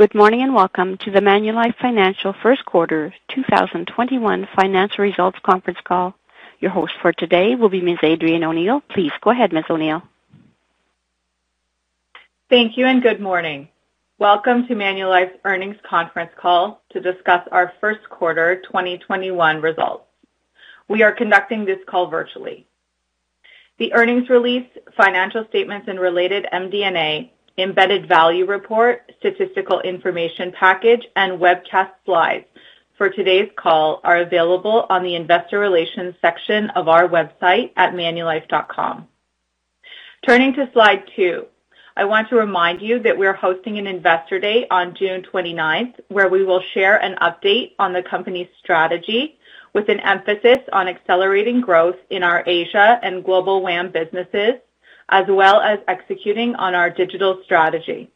Good morning, and welcome to the Manulife Financial first quarter 2021 financial results conference call. Your host for today will be Ms. Adrienne O'Neill. Please go ahead, Ms. O'Neill. Thank you, and good morning. Welcome to Manulife's earnings conference call to discuss our first quarter 2021 results. We are conducting this call virtually. The earnings release, financial statements, and related MD&A, embedded value report, statistical information package, and webcast slides for today's call are available on the Investor Relations section of our website at manulife.com. Turning to slide two. I want to remind you that we're hosting an investor day on June 29th, where we will share an update on the company's strategy with an emphasis on accelerating growth in our Asia and Global WAM businesses, as well as executing on our digital strategy.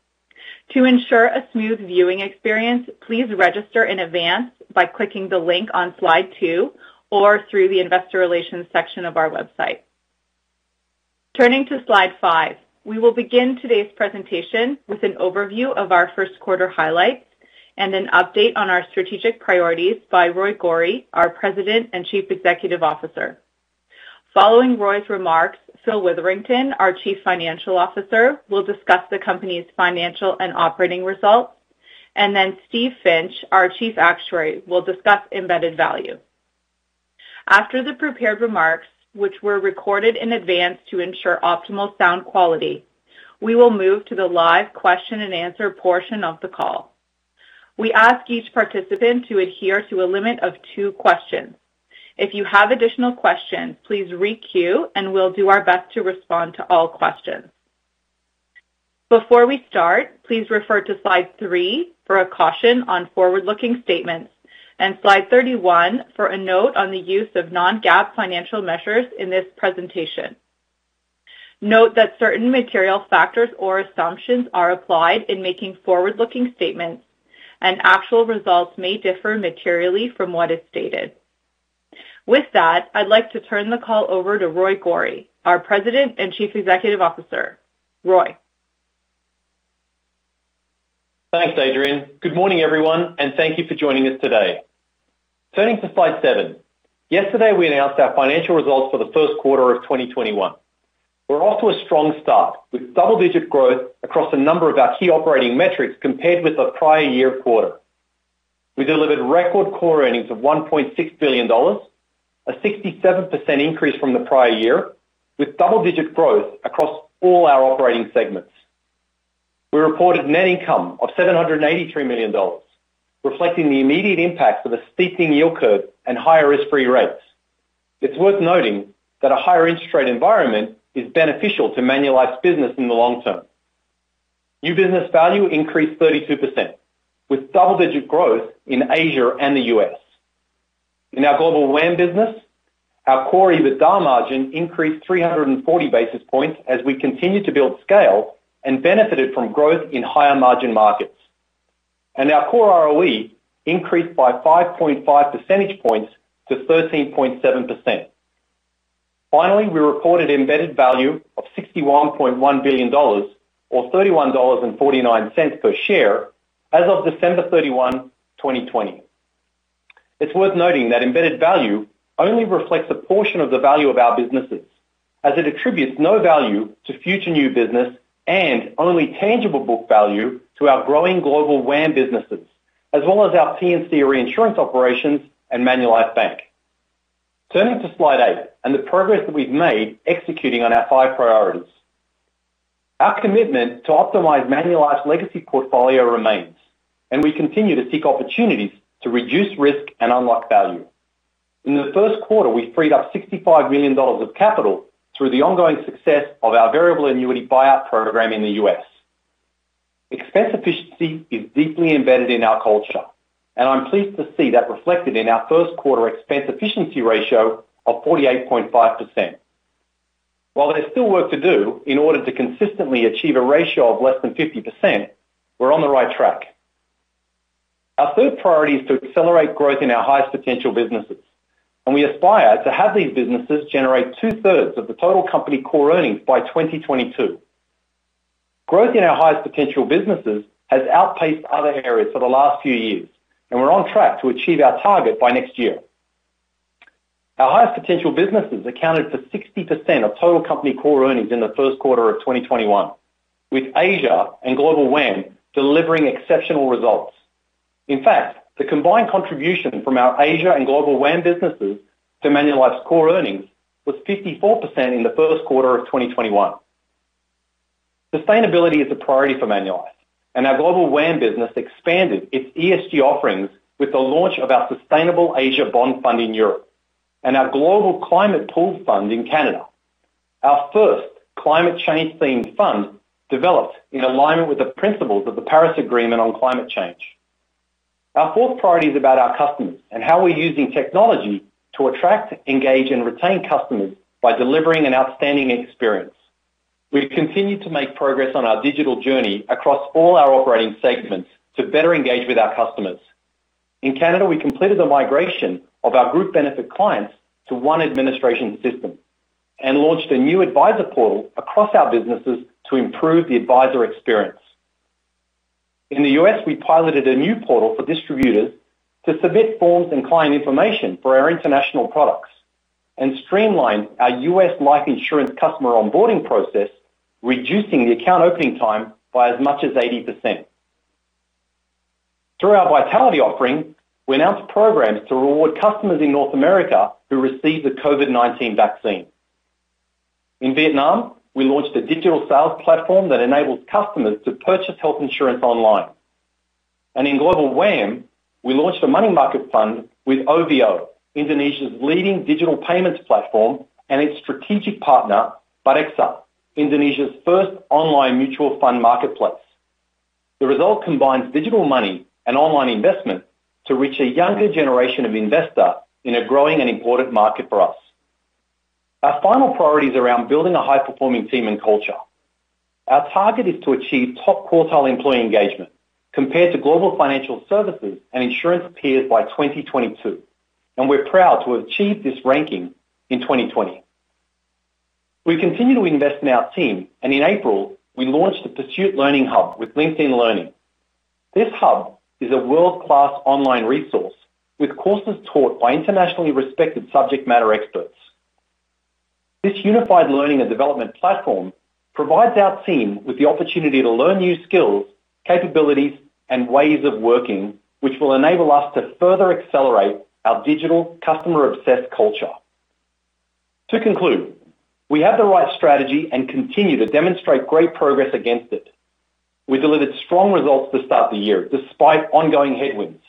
To ensure a smooth viewing experience, please register in advance by clicking the link on slide two or through the investor relations section of our website. Turning to slide five. We will begin today's presentation with an overview of our first quarter highlights and an update on our strategic priorities by Roy Gori, our President and Chief Executive Officer. Following Roy's remarks, Phil Witherington, our Chief Financial Officer, will discuss the company's financial and operating results, and then Steve Finch, our Chief Actuary, will discuss embedded value. After the prepared remarks, which were recorded in advance to ensure optimal sound quality, we will move to the live question and answer portion of the call. We ask each participant to adhere to a limit of two questions. If you have additional questions, please re-queue, and we'll do our best to respond to all questions. Before we start, please refer to slide three for a caution on forward-looking statements and slide 31 for a note on the use of non-GAAP financial measures in this presentation. Note that certain material factors or assumptions are applied in making forward-looking statements, and actual results may differ materially from what is stated. With that, I'd like to turn the call over to Roy Gori, our President and Chief Executive Officer. Roy. Thanks, Adrienne. Good morning, everyone, and thank you for joining us today. Turning to slide seven. Yesterday, we announced our financial results for the first quarter of 2021. We're off to a strong start with double-digit growth across a number of our key operating metrics compared with the prior year quarter. We delivered record core earnings of 1.6 billion dollars, a 67% increase from the prior year, with double-digit growth across all our operating segments. We reported net income of 783 million dollars, reflecting the immediate impacts of a steepening yield curve and higher risk-free rates. It's worth noting that a higher interest rate environment is beneficial to Manulife's business in the long term. New business value increased 32%, with double-digit growth in Asia and the U.S. In our Global WAM business, our core EBITDA margin increased 340 basis points as we continued to build scale and benefited from growth in higher margin markets. Our core ROE increased by 5.5 percentage points to 13.7%. Finally, we reported embedded value of 61.1 billion dollars, or 31.49 dollars per share as of December 31, 2020. It's worth noting that embedded value only reflects a portion of the value of our businesses as it attributes no value to future new business and only tangible book value to our growing Global WAM businesses, as well as our P&C reinsurance operations and Manulife Bank. Turning to slide eight and the progress that we've made executing on our five priorities. Our commitment to optimize Manulife's legacy portfolio remains, and we continue to seek opportunities to reduce risk and unlock value. In the first quarter, we freed up CAD 65 million of capital through the ongoing success of our variable annuity buyout program in the U.S. Expense efficiency is deeply embedded in our culture, and I'm pleased to see that reflected in our first quarter expense efficiency ratio of 48.5%. While there's still work to do in order to consistently achieve a ratio of less than 50%, we're on the right track. Our third priority is to accelerate growth in our highest potential businesses, and we aspire to have these businesses generate two-thirds of the total company core earnings by 2022. Growth in our highest potential businesses has outpaced other areas for the last few years, and we're on track to achieve our target by next year. Our highest potential businesses accounted for 60% of total company core earnings in the first quarter of 2021, with Asia and Global WAM delivering exceptional results. In fact, the combined contribution from our Asia and Global WAM businesses to Manulife's core earnings was 54% in the first quarter of 2021. Sustainability is a priority for Manulife, and our Global WAM business expanded its ESG offerings with the launch of our Sustainable Asia Bond Fund in Europe and our Manulife Investment Management Global Climate Pooled Fund in Canada, our first climate change-themed fund developed in alignment with the principles of the Paris Agreement on climate change. Our fourth priority is about our customers and how we're using technology to attract, engage, and retain customers by delivering an outstanding experience. We've continued to make progress on our digital journey across all our operating segments to better engage with our customers. In Canada, we completed the migration of our group benefit clients to one administration system and launched a new advisor portal across our businesses to improve the advisor experience. In the U.S., we piloted a new portal for distributors to submit forms and client information for our international products and streamlined our U.S. life insurance customer onboarding process, reducing the account opening time by as much as 80%. Through our Vitality offering, we announced programs to reward customers in North America who received the COVID-19 vaccine. In Vietnam, we launched a digital sales platform that enables customers to purchase health insurance online. In Global WAM, we launched a money market fund with OVO, Indonesia's leading digital payments platform, and its strategic partner, Bareksa, Indonesia's first online mutual fund marketplace. The result combines digital money and online investment to reach a younger generation of investor in a growing and important market for us. Our final priority is around building a high-performing team and culture. Our target is to achieve top-quartile employee engagement compared to global financial services and insurance peers by 2022, and we're proud to have achieved this ranking in 2020. We continue to invest in our team, and in April, we launched the Pursuit Learning Hub with LinkedIn Learning. This hub is a world-class online resource with courses taught by internationally respected subject matter experts. This unified learning and development platform provides our team with the opportunity to learn new skills, capabilities, and ways of working, which will enable us to further accelerate our digital customer-obsessed culture. To conclude, we have the right strategy and continue to demonstrate great progress against it. We delivered strong results to start the year despite ongoing headwinds,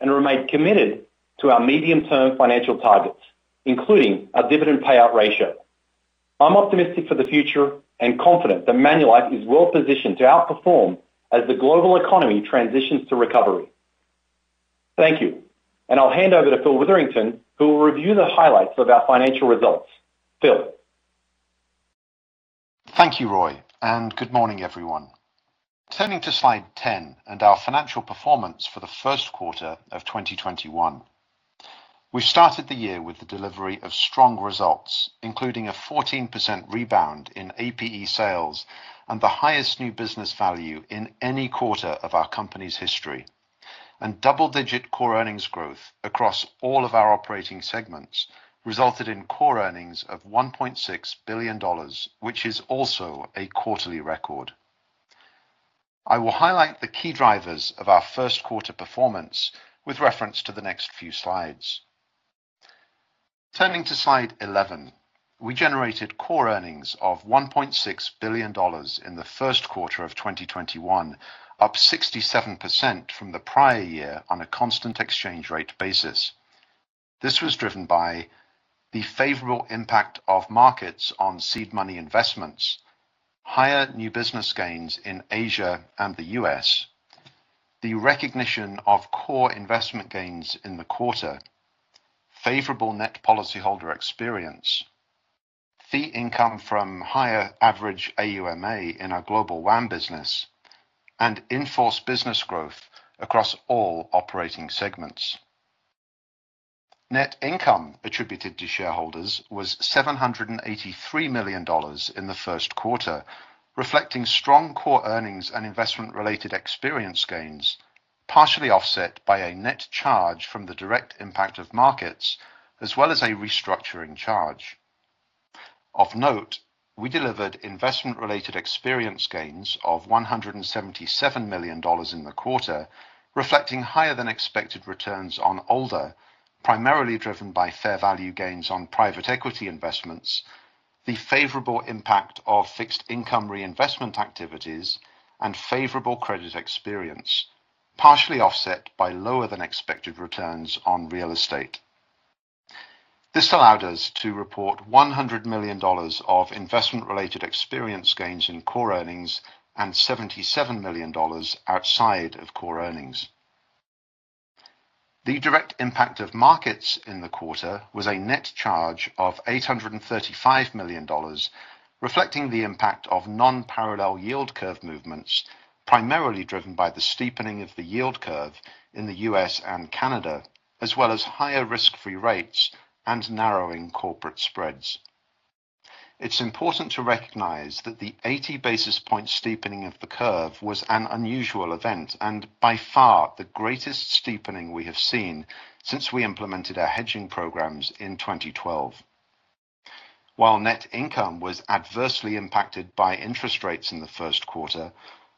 and remain committed to our medium-term financial targets, including our dividend payout ratio. I'm optimistic for the future and confident that Manulife is well positioned to outperform as the global economy transitions to recovery. Thank you. I'll hand over to Phil Witherington, who will review the highlights of our financial results. Phil? Thank you, Roy, and good morning, everyone. Turning to slide 10 and our financial performance for the first quarter of 2021. We started the year with the delivery of strong results, including a 14% rebound in APE sales and the highest new business value in any quarter of our company's history. Double-digit core earnings growth across all of our operating segments resulted in core earnings of 1.6 billion dollars, which is also a quarterly record. I will highlight the key drivers of our first quarter performance with reference to the next few slides. Turning to slide 11. We generated core earnings of 1.6 billion dollars in the first quarter of 2021, up 67% from the prior year on a constant exchange rate basis. This was driven by the favorable impact of markets on seed money investments, higher new business gains in Asia and the U.S., the recognition of core investment gains in the quarter, favorable net policyholder experience, fee income from higher average AUMA in our Global WAM business, and in-force business growth across all operating segments. Net income attributed to shareholders was 783 million dollars in the first quarter, reflecting strong core earnings and investment-related experience gains, partially offset by a net charge from the direct impact of markets, as well as a restructuring charge. Of note, we delivered investment-related experience gains of 177 million dollars in the quarter, reflecting higher than expected returns on older, primarily driven by fair value gains on private equity investments, the favorable impact of fixed income reinvestment activities, and favorable credit experience, partially offset by lower than expected returns on real estate. This allowed us to report 100 million dollars of investment-related experience gains in core earnings and 77 million dollars outside of core earnings. The direct impact of markets in the quarter was a net charge of 835 million dollars, reflecting the impact of non-parallel yield curve movements, primarily driven by the steepening of the yield curve in the U.S. and Canada, as well as higher risk-free rates and narrowing corporate spreads. It's important to recognize that the 80 basis point steepening of the curve was an unusual event, and by far the greatest steepening we have seen since we implemented our hedging programs in 2012. While net income was adversely impacted by interest rates in the first quarter,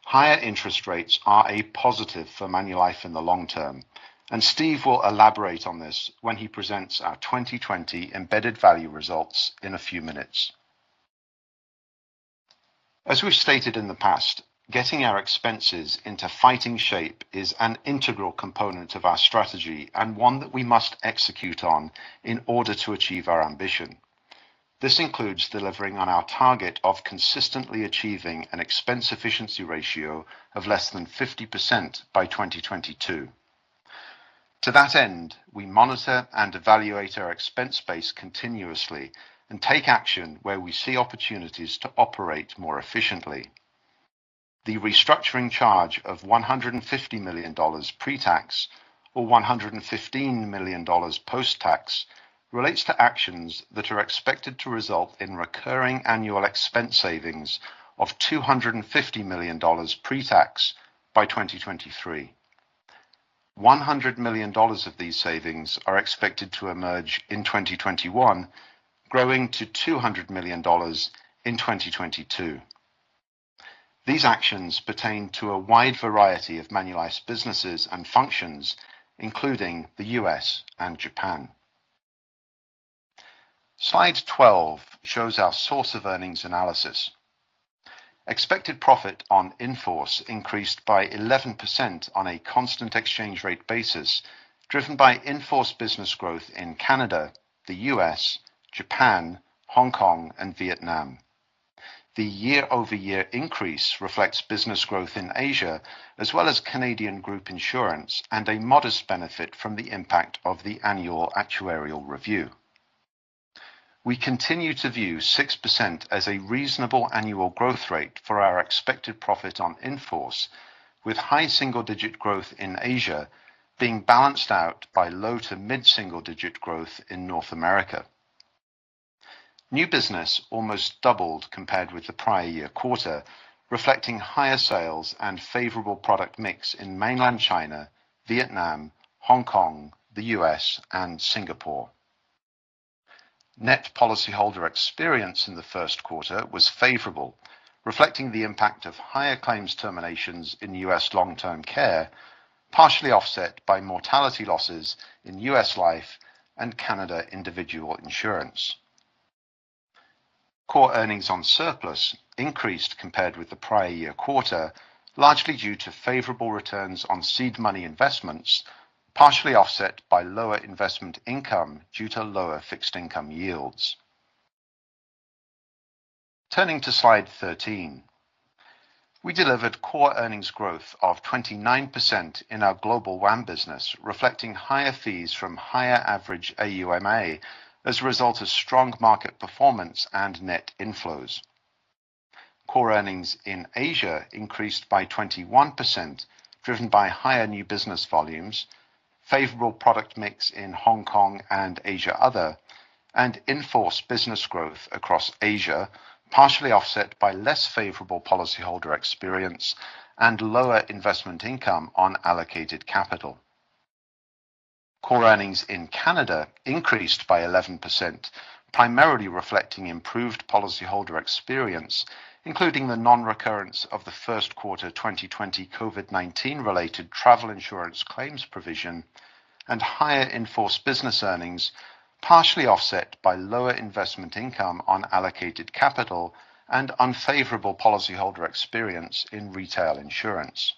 higher interest rates are a positive for Manulife in the long term, and Steve will elaborate on this when he presents our 2020 embedded value results in a few minutes. As we've stated in the past, getting our expenses into fighting shape is an integral component of our strategy and one that we must execute on in order to achieve our ambition. This includes delivering on our target of consistently achieving an expense efficiency ratio of less than 50% by 2022. To that end, we monitor and evaluate our expense base continuously and take action where we see opportunities to operate more efficiently. The restructuring charge of 150 million dollars pre-tax, or 115 million dollars post-tax, relates to actions that are expected to result in recurring annual expense savings of 250 million dollars pre-tax by 2023. 100 million dollars of these savings are expected to emerge in 2021, growing to 200 million dollars in 2022. These actions pertain to a wide variety of Manulife's businesses and functions, including the U.S. and Japan. Slide 12 shows our source of earnings analysis. Expected profit on in-force increased by 11% on a constant exchange rate basis, driven by in-force business growth in Canada, the U.S., Japan, Hong Kong, and Vietnam. The year-over-year increase reflects business growth in Asia, as well as Canadian group insurance, and a modest benefit from the impact of the annual actuarial review. We continue to view 6% as a reasonable annual growth rate for our expected profit on in-force, with high single-digit growth in Asia being balanced out by low to mid-single digit growth in North America. New business almost doubled compared with the prior year quarter, reflecting higher sales and favorable product mix in mainland China, Vietnam, Hong Kong, the U.S., and Singapore. Net policyholder experience in the first quarter was favorable, reflecting the impact of higher claims terminations in U.S. long-term care, partially offset by mortality losses in U.S. Life and Canada Individual Insurance. Core earnings on surplus increased compared with the prior year quarter, largely due to favorable returns on seed money investments, partially offset by lower investment income due to lower fixed income yields. Turning to slide 13. We delivered core earnings growth of 29% in our Global WAM business, reflecting higher fees from higher average AUMA as a result of strong market performance and net inflows. Core earnings in Asia increased by 21%, driven by higher new business volumes, favorable product mix in Hong Kong and Asia Other, and in-force business growth across Asia, partially offset by less favorable policyholder experience and lower investment income on allocated capital. Core earnings in Canada increased by 11%, primarily reflecting improved policyholder experience, including the non-recurrence of the first quarter 2020 COVID-19 related travel insurance claims provision and higher in-force business earnings, partially offset by lower investment income on allocated capital and unfavorable policyholder experience in retail insurance.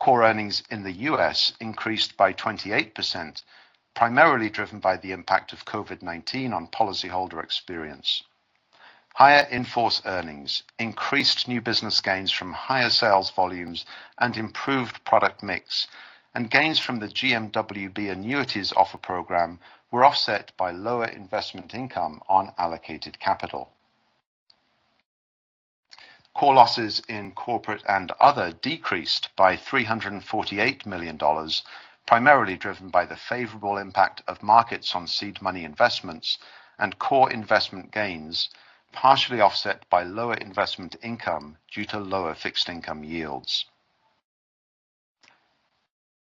Core earnings in the U.S. increased by 28%, primarily driven by the impact of COVID-19 on policyholder experience. Higher in-force earnings, increased new business gains from higher sales volumes and improved product mix, and gains from the GMWB annuities offer program were offset by lower investment income on allocated capital. Core losses in corporate and other decreased by 348 million dollars, primarily driven by the favorable impact of markets on seed money investments and core investment gains, partially offset by lower investment income due to lower fixed income yields.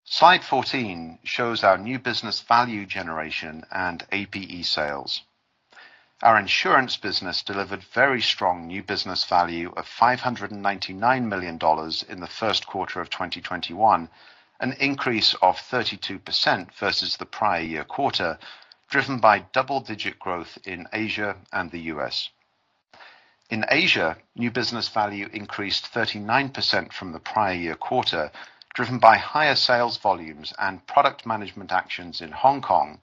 Slide 14 shows our new business value generation and APE sales. Our insurance business delivered very strong new business value of 599 million dollars in the first quarter of 2021, an increase of 32% versus the prior year quarter, driven by double-digit growth in Asia and the U.S. In Asia, new business value increased 39% from the prior year quarter, driven by higher sales volumes and product management actions in Hong Kong,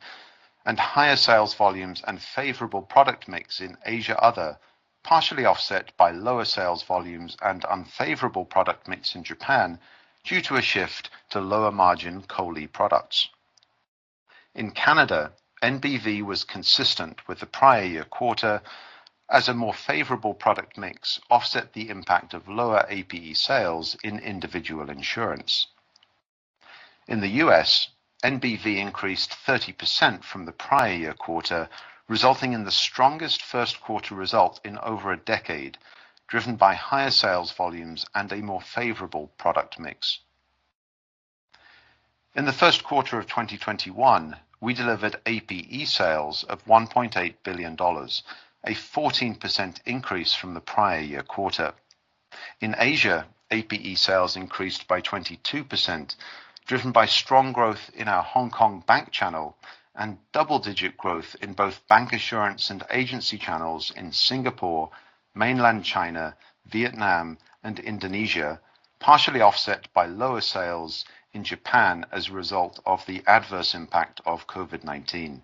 and higher sales volumes and favorable product mix in Asia Other, partially offset by lower sales volumes and unfavorable product mix in Japan due to a shift to lower margin COLI products. In Canada, NBV was consistent with the prior year quarter as a more favorable product mix offset the impact of lower APE sales in individual insurance. In the U.S., NBV increased 30% from the prior year quarter, resulting in the strongest first quarter result in over a decade, driven by higher sales volumes and a more favorable product mix. In the first quarter of 2021, we delivered APE sales of 1.8 billion dollars, a 14% increase from the prior year quarter. In Asia, APE sales increased by 22%, driven by strong growth in our Hong Kong bank channel and double-digit growth in both bancassurance and agency channels in Singapore, mainland China, Vietnam, and Indonesia, partially offset by lower sales in Japan as a result of the adverse impact of COVID-19.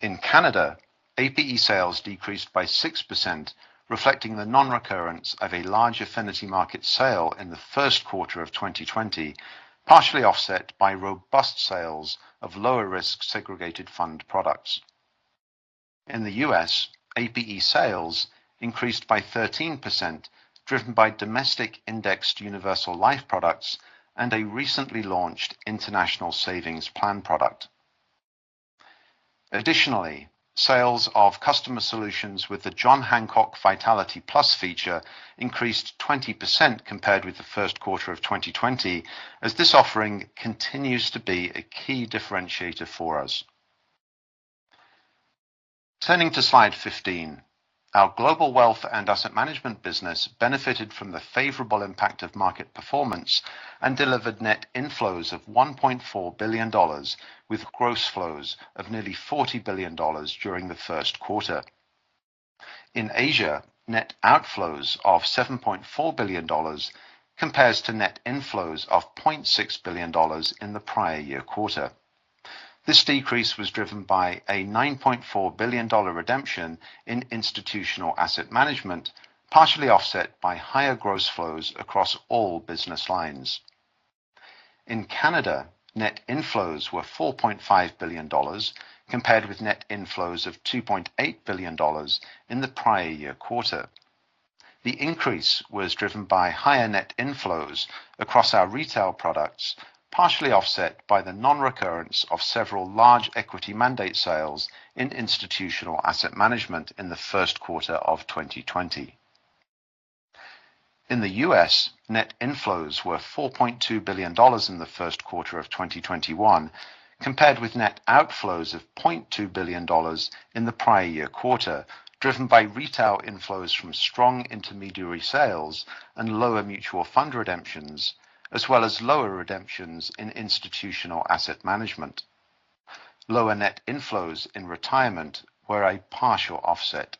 In Canada, APE sales decreased by 6%, reflecting the non-recurrence of a large affinity market sale in the first quarter of 2020, partially offset by robust sales of lower-risk segregated fund products. In the U.S., APE sales increased by 13%, driven by domestic indexed universal life products and a recently launched international savings plan product. Additionally, sales of customer solutions with the John Hancock Vitality PLUS feature increased 20% compared with the first quarter of 2020, as this offering continues to be a key differentiator for us. Turning to slide 15, our Global Wealth and Asset Management business benefited from the favorable impact of market performance and delivered net inflows of 1.4 billion dollars with gross flows of nearly 40 billion dollars during the first quarter. In Asia, net outflows of 7.4 billion dollars compares to net inflows of 0.6 billion dollars in the prior year quarter. This decrease was driven by a 9.4 billion dollar redemption in institutional asset management, partially offset by higher gross flows across all business lines. In Canada, net inflows were 4.5 billion dollars, compared with net inflows of 2.8 billion dollars in the prior year quarter. The increase was driven by higher net inflows across our retail products, partially offset by the non-recurrence of several large equity mandate sales in institutional asset management in the first quarter of 2020. In the U.S., net inflows were 4.2 billion dollars in the first quarter of 2021, compared with net outflows of 0.2 billion dollars in the prior year quarter, driven by retail inflows from strong intermediary sales and lower mutual fund redemptions, as well as lower redemptions in institutional asset management. Lower net inflows in retirement were a partial offset.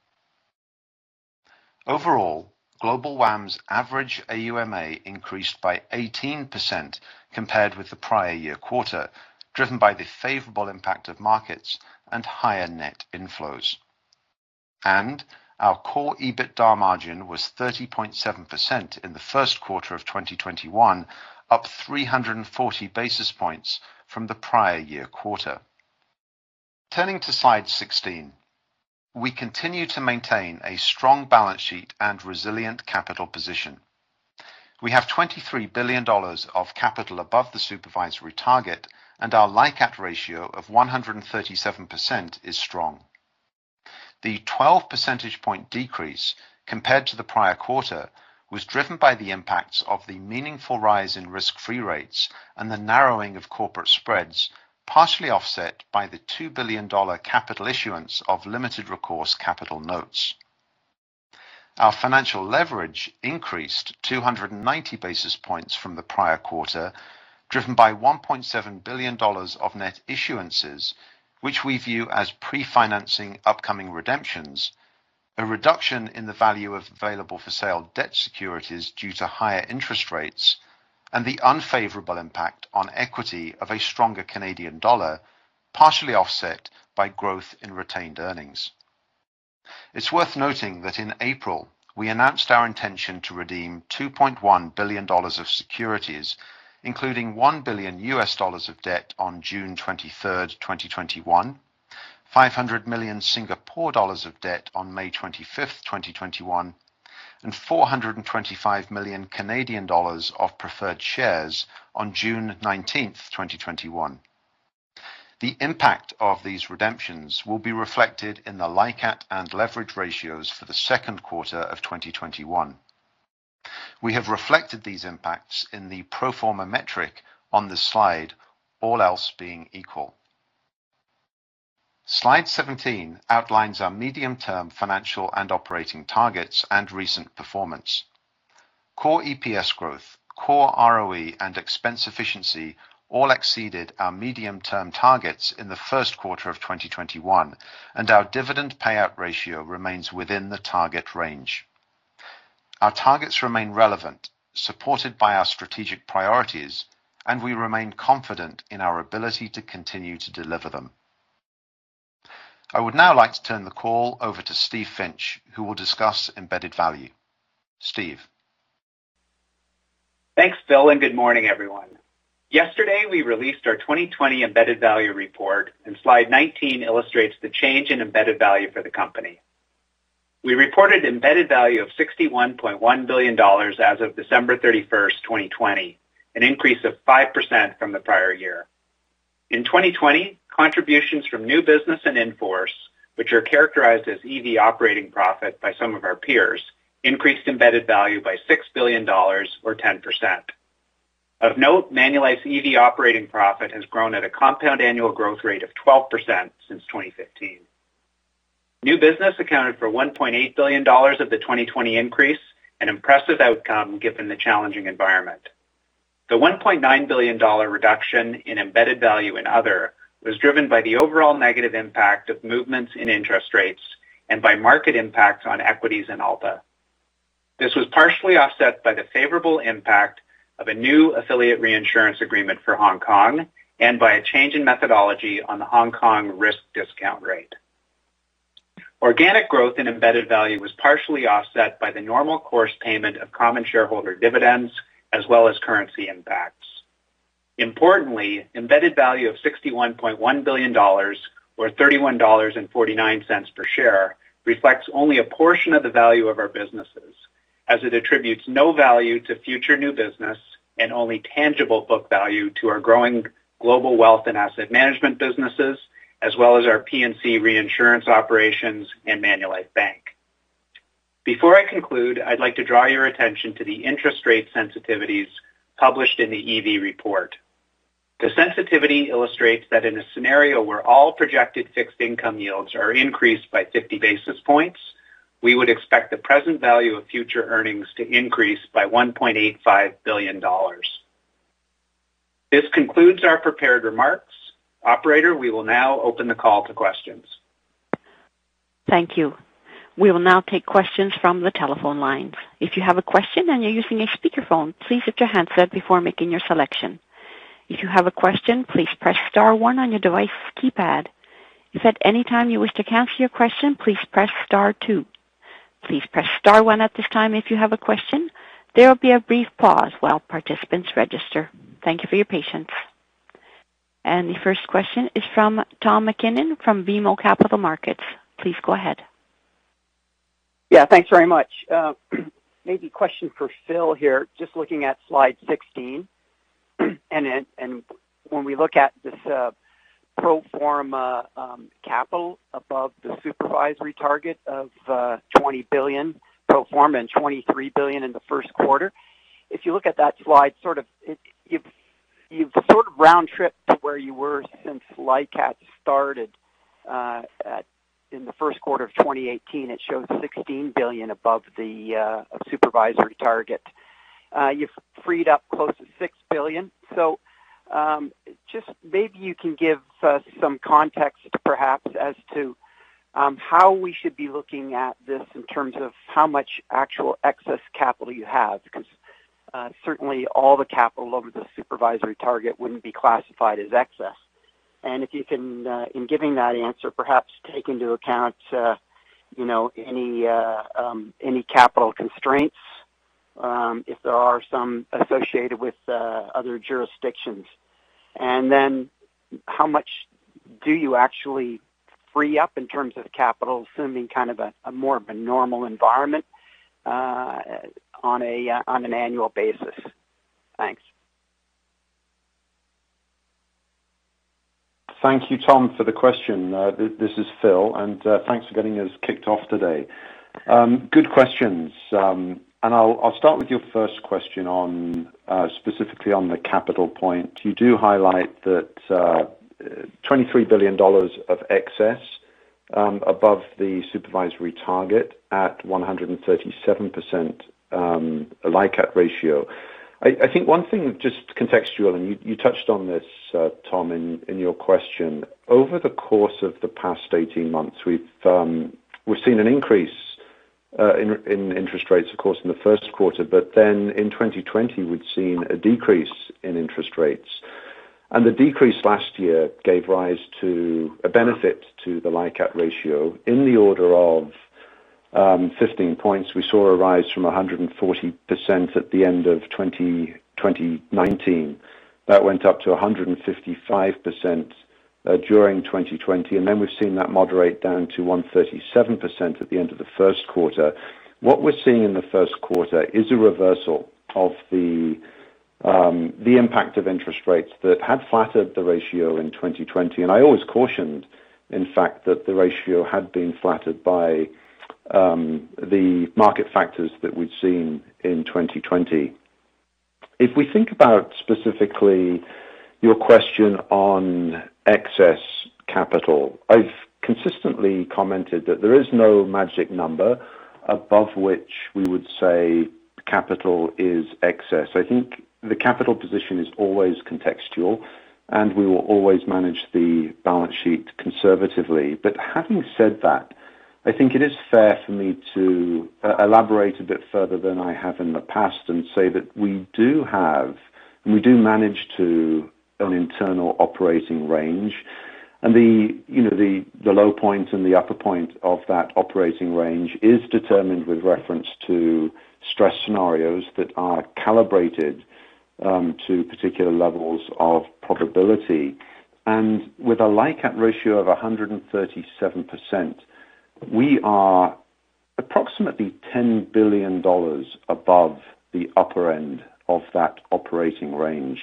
Overall, Global WAM's average AUMA increased by 18% compared with the prior year quarter, driven by the favorable impact of markets and higher net inflows. Our core EBITDA margin was 30.7% in the first quarter of 2021, up 340 basis points from the prior year quarter. Turning to slide 16, we continue to maintain a strong balance sheet and resilient capital position. We have 23 billion dollars of capital above the supervisory target, and our LICAT ratio of 137% is strong. The 12 percentage point decrease compared to the prior quarter was driven by the impacts of the meaningful rise in risk-free rates and the narrowing of corporate spreads, partially offset by the 2 billion dollar capital issuance of limited recourse capital notes. Our financial leverage increased 290 basis points from the prior quarter, driven by 1.7 billion dollars of net issuances, which we view as pre-financing upcoming redemptions, a reduction in the value of available-for-sale debt securities due to higher interest rates, and the unfavorable impact on equity of a stronger Canadian dollar, partially offset by growth in retained earnings. It's worth noting that in April, we announced our intention to redeem 2.1 billion dollars of securities, including $1 billion of U.S. debt on June 23rd, 2021, 500 million Singapore dollars of debt on May 25th, 2021, and 425 million Canadian dollars of preferred shares on June 19th, 2021. The impact of these redemptions will be reflected in the LICAT and leverage ratios for the second quarter of 2021. We have reflected these impacts in the pro forma metric on this slide, all else being equal. Slide 17 outlines our medium-term financial and operating targets and recent performance. Core EPS growth, core ROE, and expense efficiency all exceeded our medium-term targets in the first quarter of 2021, and our dividend payout ratio remains within the target range. Our targets remain relevant, supported by our strategic priorities, and we remain confident in our ability to continue to deliver them. I would now like to turn the call over to Steve Finch, who will discuss embedded value. Steve? Thanks, Phil, and good morning, everyone. Yesterday, we released our 2020 embedded value report, and slide 19 illustrates the change in embedded value for the company. We reported embedded value of 61.1 billion dollars as of December 31st, 2020, an increase of 5% from the prior year. In 2020, contributions from new business and in-force, which are characterized as EV operating profit by some of our peers, increased embedded value by 6 billion dollars, or 10%. Of note, Manulife's EV operating profit has grown at a compound annual growth rate of 12% since 2015. New business accounted for 1.8 billion dollars of the 2020 increase, an impressive outcome given the challenging environment. The 1.9 billion dollar reduction in embedded value in other was driven by the overall negative impact of movements in interest rates and by market impacts on equities and ALDA. This was partially offset by the favorable impact of a new affiliate reinsurance agreement for Hong Kong and by a change in methodology on the Hong Kong risk discount rate. Organic growth in embedded value was partially offset by the normal course payment of common shareholder dividends as well as currency impacts. Importantly, embedded value of 61.1 billion dollars, or 31.49 dollars per share, reflects only a portion of the value of our businesses, as it attributes no value to future new business and only tangible book value to our growing Global Wealth and Asset Management businesses, as well as our P&C reinsurance operations and Manulife Bank. Before I conclude, I'd like to draw your attention to the interest rate sensitivities published in the EV report. The sensitivity illustrates that in a scenario where all projected fixed income yields are increased by 50 basis points, we would expect the present value of future earnings to increase by 1.85 billion dollars. This concludes our prepared remarks. Operator, we will now open the call to questions. Thank you. We will now take questions from the telephone lines. If you have a question and you're using a speakerphone, please mute your handset before making your selection. If you have a question, please press star one on your device keypad. If at any time you wish to cancel your question, please press star two. Please press star one at this time if you have a question. There will be a brief pause while participants register. Thank you for your patience. The first question is from Tom MacKinnon from BMO Capital Markets. Please go ahead. Yeah. Thanks very much. Maybe a question for Phil here. Just looking at slide 16. When we look at this pro forma capital above the supervisory target of 20 billion pro forma and 23 billion in the first quarter. If you look at that slide, you've sort of round-tripped to where you were since LICAT started in the first quarter of 2018. It shows 16 billion above the supervisory target. You've freed up close to 6 billion. Just maybe you can give us some context, perhaps, as to how we should be looking at this in terms of how much actual excess capital you have. Because certainly all the capital over the supervisory target wouldn't be classified as excess. If you can, in giving that answer, perhaps take into account any capital constraints, if there are some associated with other jurisdictions. How much do you actually free up in terms of capital, assuming kind of a more of a normal environment on an annual basis? Thanks. Thank you, Tom, for the question. This is Phil, and thanks for getting us kicked off today. Good questions. I'll start with your first question specifically on the capital point. You do highlight that 23 billion dollars of excess above the supervisory target at 137% LICAT ratio. I think one thing just contextual, and you touched on this, Tom, in your question. Over the course of the past 18 months, we've seen an increase in interest rates, of course, in the first quarter. In 2020, we've seen a decrease in interest rates. The decrease last year gave rise to a benefit to the LICAT ratio in the order of 15 points. We saw a rise from 140% at the end of 2019. That went up to 155% during 2020. We've seen that moderate down to 137% at the end of the first quarter. What we're seeing in the first quarter is a reversal of the impact of interest rates that had flattered the ratio in 2020. I always cautioned, in fact, that the ratio had been flattered by the market factors that we'd seen in 2020. If we think about specifically your question on excess capital, I've consistently commented that there is no magic number above which we would say capital is excess. I think the capital position is always contextual, and we will always manage the balance sheet conservatively. Having said that, I think it is fair for me to elaborate a bit further than I have in the past and say that we do have, and we do manage to an internal operating range. The low point and the upper point of that operating range is determined with reference to stress scenarios that are calibrated to particular levels of probability. With a LICAT ratio of 137%, we are approximately 10 billion dollars above the upper end of that operating range.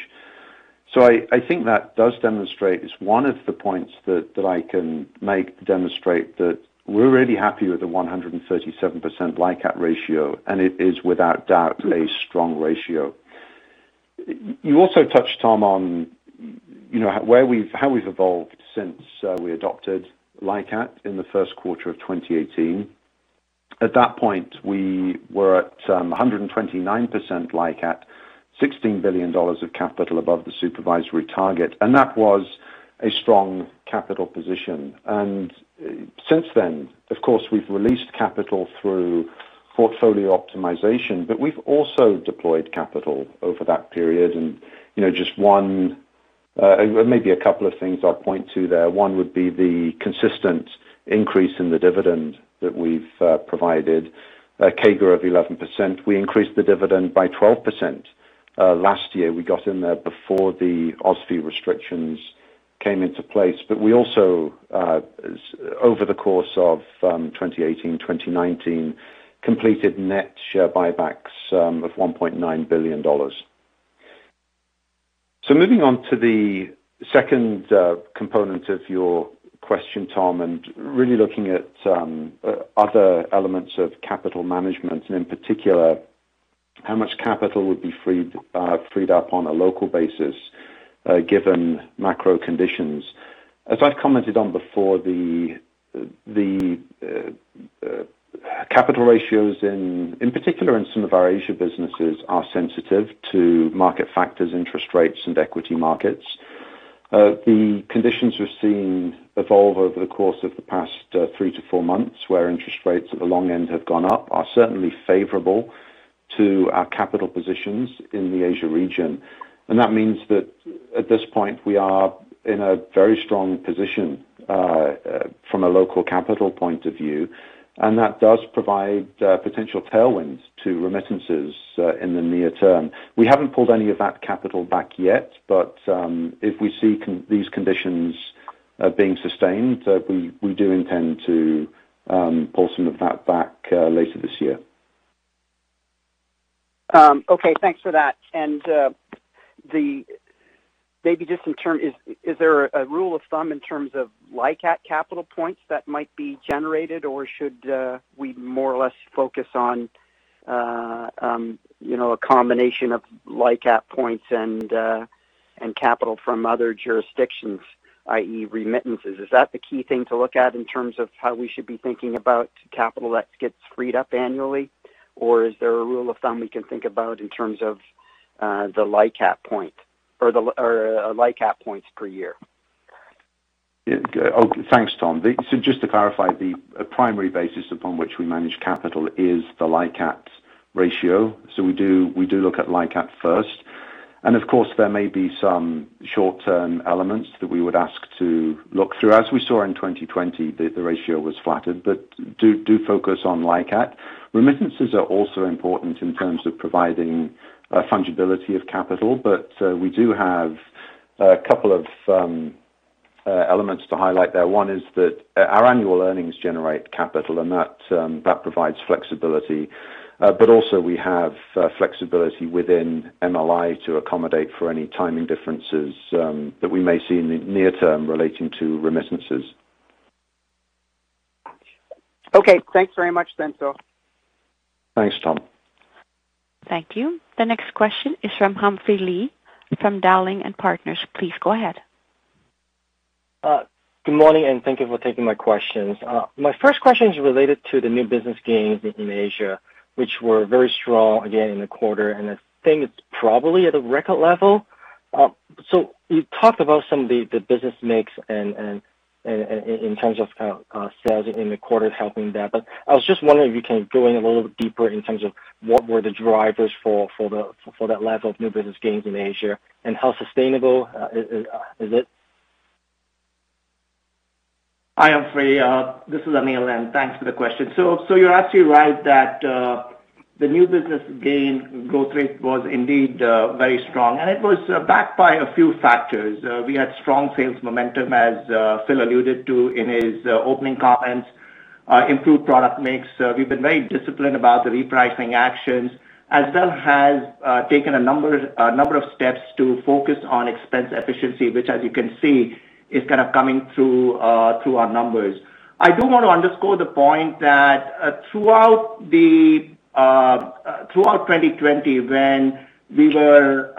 I think that does demonstrate, it's one of the points that I can make, demonstrate that we're really happy with the 137% LICAT ratio, and it is without doubt a strong ratio. You also touched, Tom, on how we've evolved since we adopted LICAT in the first quarter of 2018. At that point, we were at 129% LICAT, 16 billion dollars of capital above the supervisory target, and that was a strong capital position. Since then, of course, we've released capital through portfolio optimization, but we've also deployed capital over that period. Just Maybe a couple of things I'll point to there. One would be the consistent increase in the dividend that we've provided, a CAGR of 11%. We increased the dividend by 12% last year. We got in there before the OSFI restrictions came into place. We also, over the course of 2018, 2019, completed net share buybacks of 1.9 billion dollars. Moving on to the second component of your question, Tom, and really looking at other elements of capital management, and in particular, how much capital would be freed up on a local basis given macro conditions. As I've commented on before, the capital ratios, in particular in some of our Asia businesses, are sensitive to market factors, interest rates, and equity markets. The conditions we've seen evolve over the course of the past three to four months, where interest rates at the long end have gone up, are certainly favorable to our capital positions in the Asia region. That means that at this point, we are in a very strong position from a local capital point of view, and that does provide potential tailwinds to remittances in the near term. We haven't pulled any of that capital back yet, if we see these conditions being sustained, we do intend to pull some of that back later this year. Okay, thanks for that. Maybe just in terms, is there a rule of thumb in terms of LICAT capital points that might be generated, or should we more or less focus on a combination of LICAT points and capital from other jurisdictions, i.e. remittances? Is that the key thing to look at in terms of how we should be thinking about capital that gets freed up annually? Or is there a rule of thumb we can think about in terms of the LICAT points per year? Thanks, Tom. Just to clarify, the primary basis upon which we manage capital is the LICAT ratio. We do look at LICAT first. Of course, there may be some short-term elements that we would ask to look through. As we saw in 2020, the ratio was flattered, do focus on LICAT. Remittances are also important in terms of providing fungibility of capital, we do have a couple of elements to highlight there. One is that our annual earnings generate capital, that provides flexibility. Also we have flexibility within MLI to accommodate for any timing differences that we may see in the near term relating to remittances. Okay. Thanks very much then, Phil. Thanks, Tom. Thank you. The next question is from Humphrey Lee from Dowling & Partners. Please go ahead. Good morning, thank you for taking my questions. My first question is related to the new business gains in Asia, which were very strong again in the quarter, and I think it's probably at a record level. You talked about some of the business mix in terms of sales in the quarter helping that, but I was just wondering if you can go in a little bit deeper in terms of what were the drivers for that level of new business gains in Asia, and how sustainable is it? Hi, Humphrey. This is Anil. Thanks for the question. You're absolutely right that the new business gain growth rate was indeed very strong. It was backed by a few factors. We had strong sales momentum, as Phil alluded to in his opening comments, improved product mix. We've been very disciplined about the repricing actions. As well as taken a number of steps to focus on expense efficiency, which as you can see, is kind of coming through our numbers. I do want to underscore the point that throughout 2020, when we were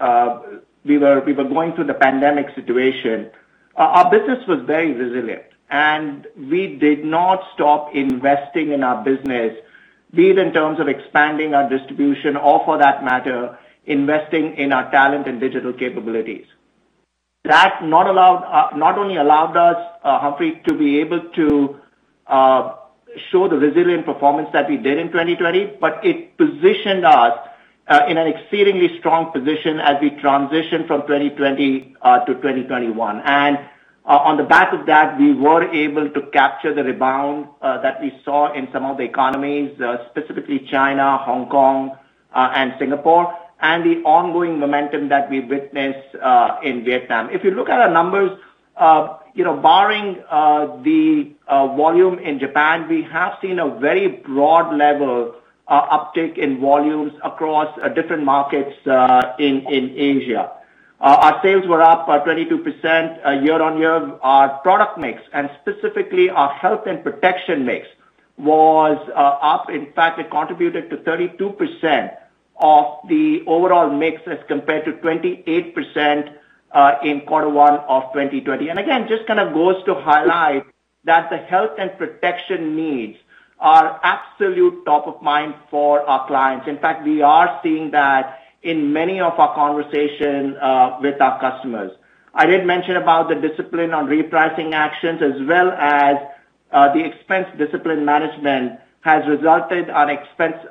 going through the pandemic situation, our business was very resilient. We did not stop investing in our business, be it in terms of expanding our distribution or for that matter, investing in our talent and digital capabilities. That not only allowed us, Humphrey, to be able to show the resilient performance that we did in 2020, but it positioned us in an exceedingly strong position as we transition from 2020 to 2021. On the back of that, we were able to capture the rebound that we saw in some of the economies, specifically China, Hong Kong, and Singapore, and the ongoing momentum that we witnessed in Vietnam. If you look at our numbers, barring the volume in Japan, we have seen a very broad level uptick in volumes across different markets in Asia. Our sales were up by 22% year-on-year. Our product mix, and specifically our health and protection mix, was up. In fact, it contributed to 32% of the overall mix as compared to 28% in quarter one of 2020. Again, just kind of goes to highlight that the health and protection needs are absolute top of mind for our clients. In fact, we are seeing that in many of our conversation with our customers. I did mention about the discipline on repricing actions as well as the expense discipline management has resulted in our expense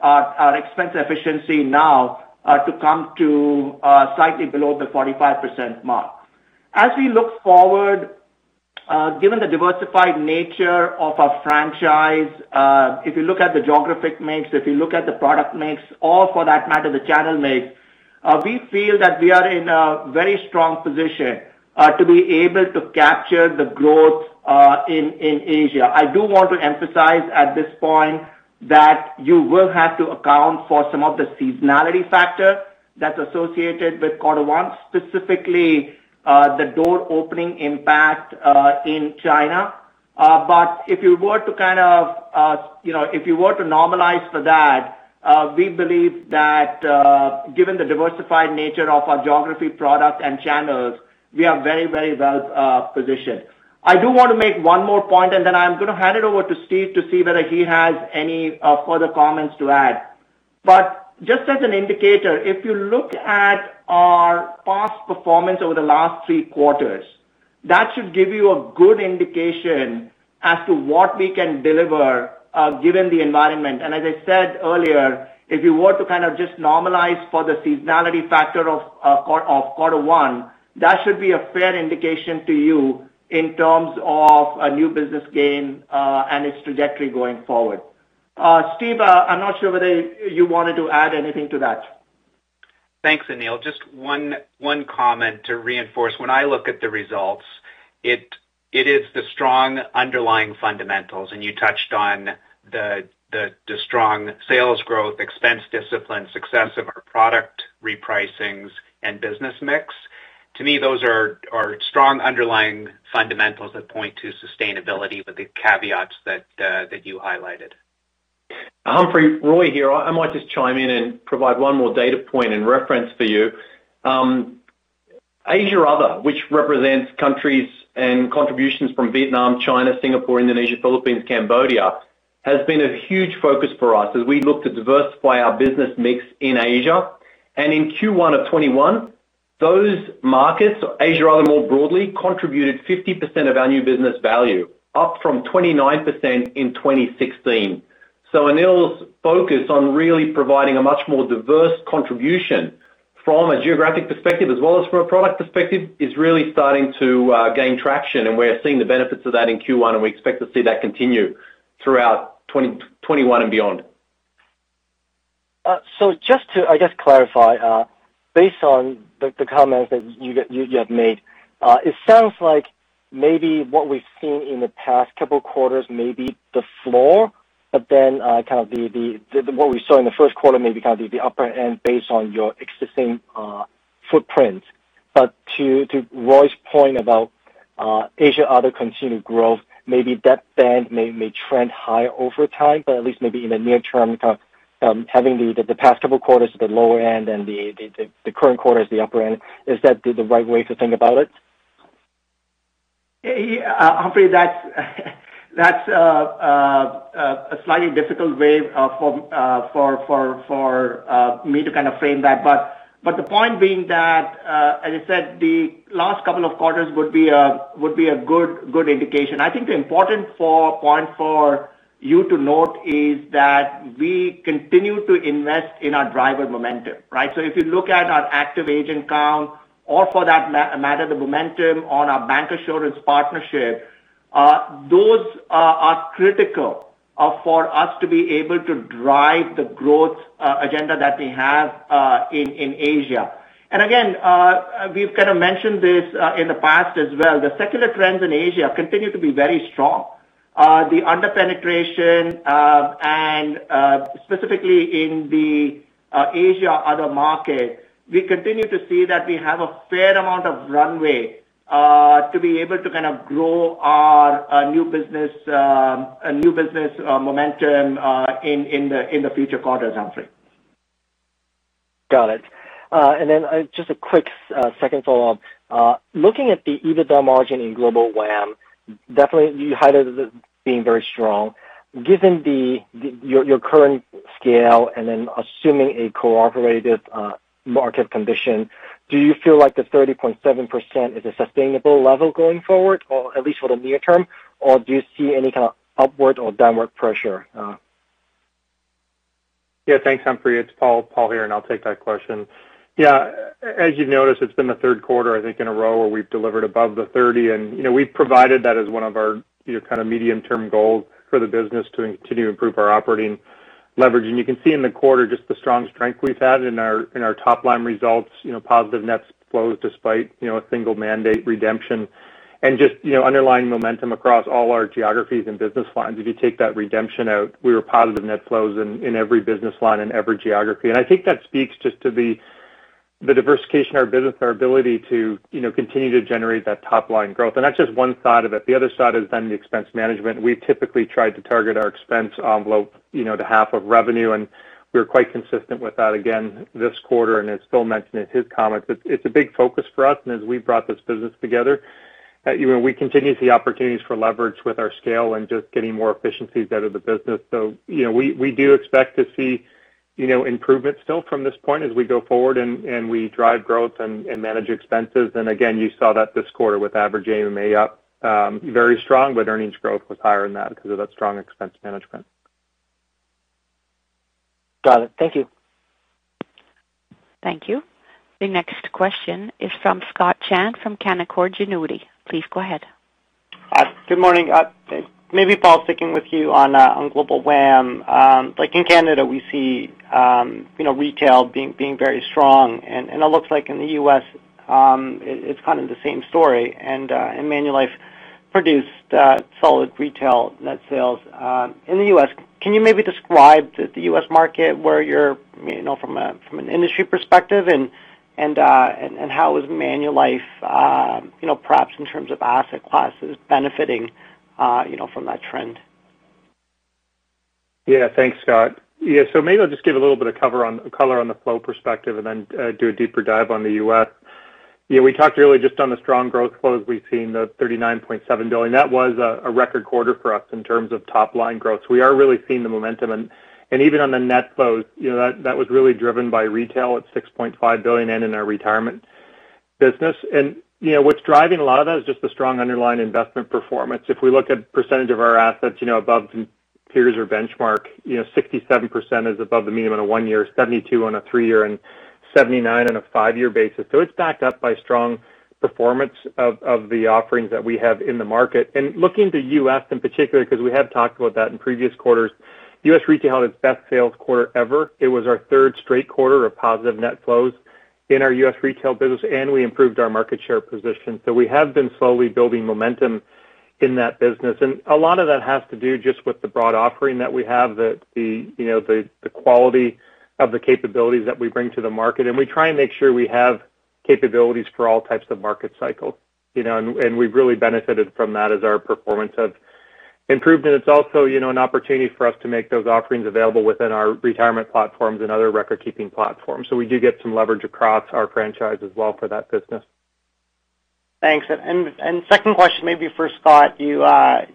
efficiency now to come to slightly below the 45% mark. We look forward, given the diversified nature of our franchise, if you look at the geographic mix, if you look at the product mix, or for that matter, the channel mix, we feel that we are in a very strong position to be able to capture the growth in Asia. I do want to emphasize at this point that you will have to account for some of the seasonality factor that's associated with quarter one, specifically, the door opening impact in China. If you were to normalize for that, we believe that given the diversified nature of our geography product and channels, we are very, very well positioned. I do want to make one more point, and then I'm going to hand it over to Steve to see whether he has any further comments to add. Just as an indicator, if you look at our past performance over the last three quarters, that should give you a good indication as to what we can deliver given the environment. As I said earlier, if you were to just normalize for the seasonality factor of quarter one, that should be a fair indication to you in terms of new business gain, and its trajectory going forward. Steve, I'm not sure whether you wanted to add anything to that. Thanks, Anil. Just one comment to reinforce. When I look at the results, it is the strong underlying fundamentals, and you touched on the strong sales growth, expense discipline, success of our product repricings, and business mix. To me, those are strong underlying fundamentals that point to sustainability with the caveats that you highlighted. Humphrey, Roy here. I might just chime in and provide one more data point and reference for you. Asia Other, which represents countries and contributions from Vietnam, China, Singapore, Indonesia, Philippines, Cambodia, has been a huge focus for us as we look to diversify our business mix in Asia. In Q1 of 2021, those markets, Asia Other more broadly, contributed 50% of our new business value, up from 29% in 2016. Anil's focus on really providing a much more diverse contribution from a geographic perspective as well as from a product perspective, is really starting to gain traction, and we're seeing the benefits of that in Q1, and we expect to see that continue throughout 2021 and beyond. Just to, I guess, clarify, based on the comments that you have made, it sounds like maybe what we've seen in the past couple of quarters may be the floor, but then what we saw in the first quarter may be the upper end based on your existing footprint. To Roy Gori's point about Asia Other continued growth, maybe that band may trend higher over time, but at least maybe in the near term, having the past couple of quarters at the lower end and the current quarter as the upper end, is that the right way to think about it? Humphrey, that's a slightly difficult way for me to frame that. The point being that, as I said, the last couple of quarters would be a good indication. I think the important point for you to note is that we continue to invest in our driver momentum, right? If you look at our active agent count or for that matter, the momentum on our bancassurance partnership, those are critical for us to be able to drive the growth agenda that we have in Asia. Again, we've kind of mentioned this in the past as well. The secular trends in Asia continue to be very strong. The under-penetration, and specifically in the Asia Other market, we continue to see that we have a fair amount of runway to be able to grow our new business momentum in the future quarters, Humphrey. Got it. Then just a quick second follow-up. Looking at the EBITDA margin in Global WAM, definitely you highlighted it being very strong. Given your current scale and then assuming a cooperative market condition, do you feel like the 30.7% is a sustainable level going forward, or at least for the near term, or do you see any kind of upward or downward pressure? Thanks, Humphrey. It's Paul here. I'll take that question. As you've noticed, it's been the third quarter, I think, in a row where we've delivered above the 30. We've provided that as one of our medium-term goals for the business to continue to improve our operating leverage. You can see in the quarter just the strong strength we've had in our top-line results, positive net flows despite a single mandate redemption, and just underlying momentum across all our geographies and business lines. If you take that redemption out, we were positive net flows in every business line in every geography. I think that speaks just to the diversification of our business, our ability to continue to generate that top-line growth. That's just one side of it. The other side is the expense management. We typically try to target our expense envelope to half of revenue. We were quite consistent with that again this quarter. As Phil mentioned in his comments, it's a big focus for us. As we brought this business together, we continue to see opportunities for leverage with our scale and just getting more efficiencies out of the business. We do expect to see improvement still from this point as we go forward and we drive growth and manage expenses. Again, you saw that this quarter with average AUMA up very strong, but earnings growth was higher than that because of that strong expense management. Got it. Thank you. Thank you. The next question is from Scott Chan from Canaccord Genuity. Please go ahead. Good morning. Maybe, Paul, sticking with you on Global WAM. Like in Canada, we see retail being very strong, and it looks like in the U.S. it's kind of the same story, and Manulife produced solid retail net sales in the U.S. Can you maybe describe the U.S. market where you're from an industry perspective and how is Manulife perhaps in terms of asset classes benefiting from that trend? Thanks, Scott. Maybe I'll just give a little bit of color on the flow perspective and then do a deeper dive on the U.S. We talked earlier just on the strong growth flows we've seen, the 39.7 billion. That was a record quarter for us in terms of top-line growth. We are really seeing the momentum. Even on the net flows, that was really driven by retail at 6.5 billion and in our retirement business. What's driving a lot of that is just the strong underlying investment performance. If we look at percent of our assets above peers or benchmark, 67% is above the mean on a one-year, 72% on a three-year, and 79% on a five-year basis. It's backed up by strong performance of the offerings that we have in the market. Looking to U.S. in particular, because we have talked about that in previous quarters, U.S. Retail had its best sales quarter ever. It was our third straight quarter of positive net flows in our U.S. Retail business, and we improved our market share position. We have been slowly building momentum in that business. A lot of that has to do just with the broad offering that we have, the quality of the capabilities that we bring to the market. We try and make sure we have capabilities for all types of market cycles, and we've really benefited from that as our performance has improved. It's also an opportunity for us to make those offerings available within our retirement platforms and other record-keeping platforms. We do get some leverage across our franchise as well for that business. Thanks. Second question, maybe for Scott. You kind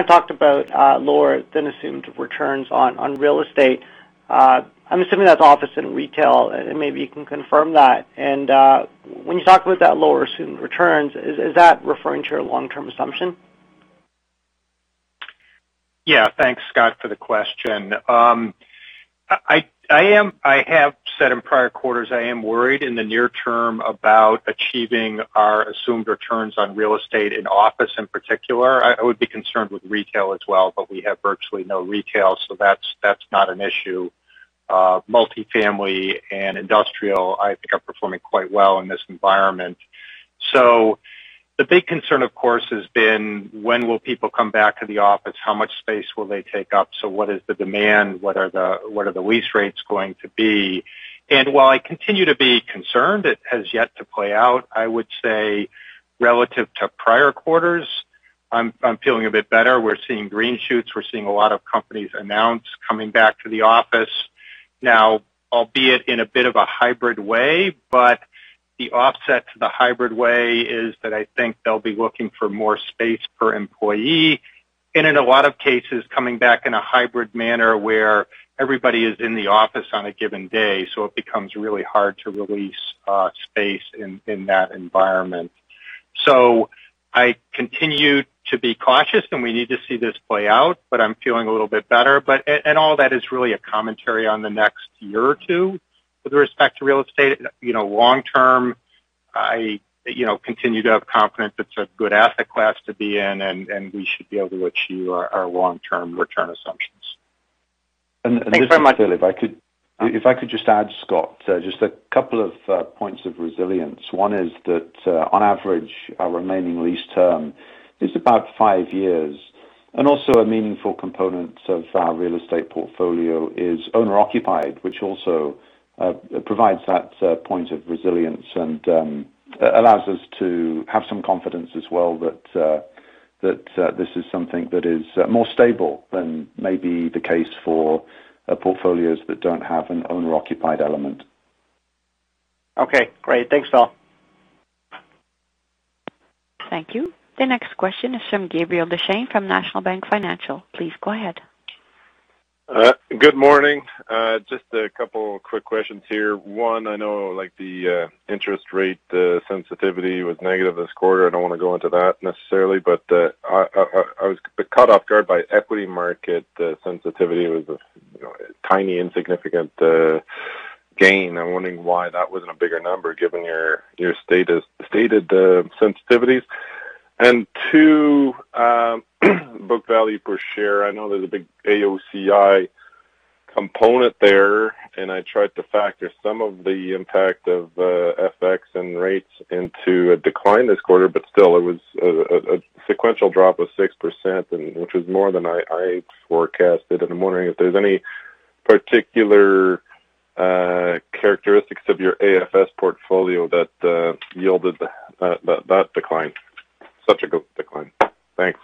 of talked about lower than assumed returns on real estate. I am assuming that is office and retail, and maybe you can confirm that. When you talk about that lower assumed returns, is that referring to your long-term assumption? Yeah. Thanks, Scott, for the question. I have said in prior quarters, I am worried in the near term about achieving our assumed returns on real estate in office in particular. I would be concerned with retail as well, but we have virtually no retail, so that's not an issue. Multifamily and industrial, I think, are performing quite well in this environment. The big concern, of course, has been when will people come back to the office? How much space will they take up? What is the demand? What are the lease rates going to be? While I continue to be concerned, it has yet to play out. I would say relative to prior quarters, I'm feeling a bit better. We're seeing green shoots. We're seeing a lot of companies announce coming back to the office now, albeit in a bit of a hybrid way. The offset to the hybrid way is that I think they'll be looking for more space per employee, and in a lot of cases, coming back in a hybrid manner where everybody is in the office on a given day, so it becomes really hard to release space in that environment. I continue to be cautious, and we need to see this play out, but I'm feeling a little bit better. All that is really a commentary on the next year or two with respect to real estate. Long term, I continue to have confidence it's a good asset class to be in, and we should be able to achieve our long-term return assumptions. Thanks very much. If I could just add, Scott, just a couple of points of resilience. One is that on average, our remaining lease term is about five years. Also, a meaningful component of our real estate portfolio is owner-occupied, which also provides that point of resilience and allows us to have some confidence as well that this is something that is more stable than maybe the case for portfolios that don't have an owner-occupied element. Okay, great. Thanks, Phil. Thank you. The next question is from Gabriel Dechaine from National Bank Financial. Please go ahead. Good morning. Just a couple quick questions here. One, I know the interest rate sensitivity was negative this quarter. I don't want to go into that necessarily, but I was caught off guard by equity market sensitivity was a tiny, insignificant gain. I'm wondering why that wasn't a bigger number given your stated sensitivities. Two, book value per share. I know there's a big AOCI component there, and I tried to factor some of the impact of FX and rates into a decline this quarter, but still, it was a sequential drop of 6%, which was more than I forecasted, and I'm wondering if there's any particular characteristics of your AFS portfolio that yielded that decline. Such a good decline. Thanks.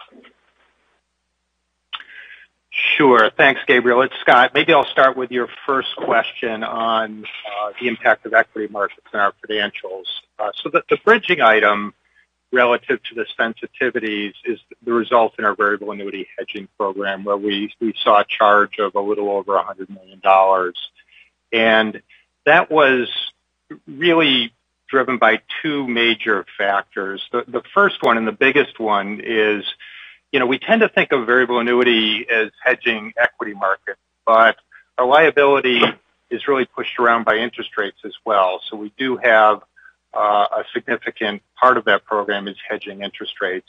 Sure. Thanks, Gabriel. It's Steve. Maybe I'll start with your first question on the impact of equity markets in our financials. The bridging item relative to the sensitivities is the result in our variable annuity hedging program, where we saw a charge of a little over 100 million dollars. That was really driven by two major factors. The first one and the biggest one is, we tend to think of variable annuity as hedging equity market, our liability is really pushed around by interest rates as well. We do have a significant part of that program is hedging interest rates.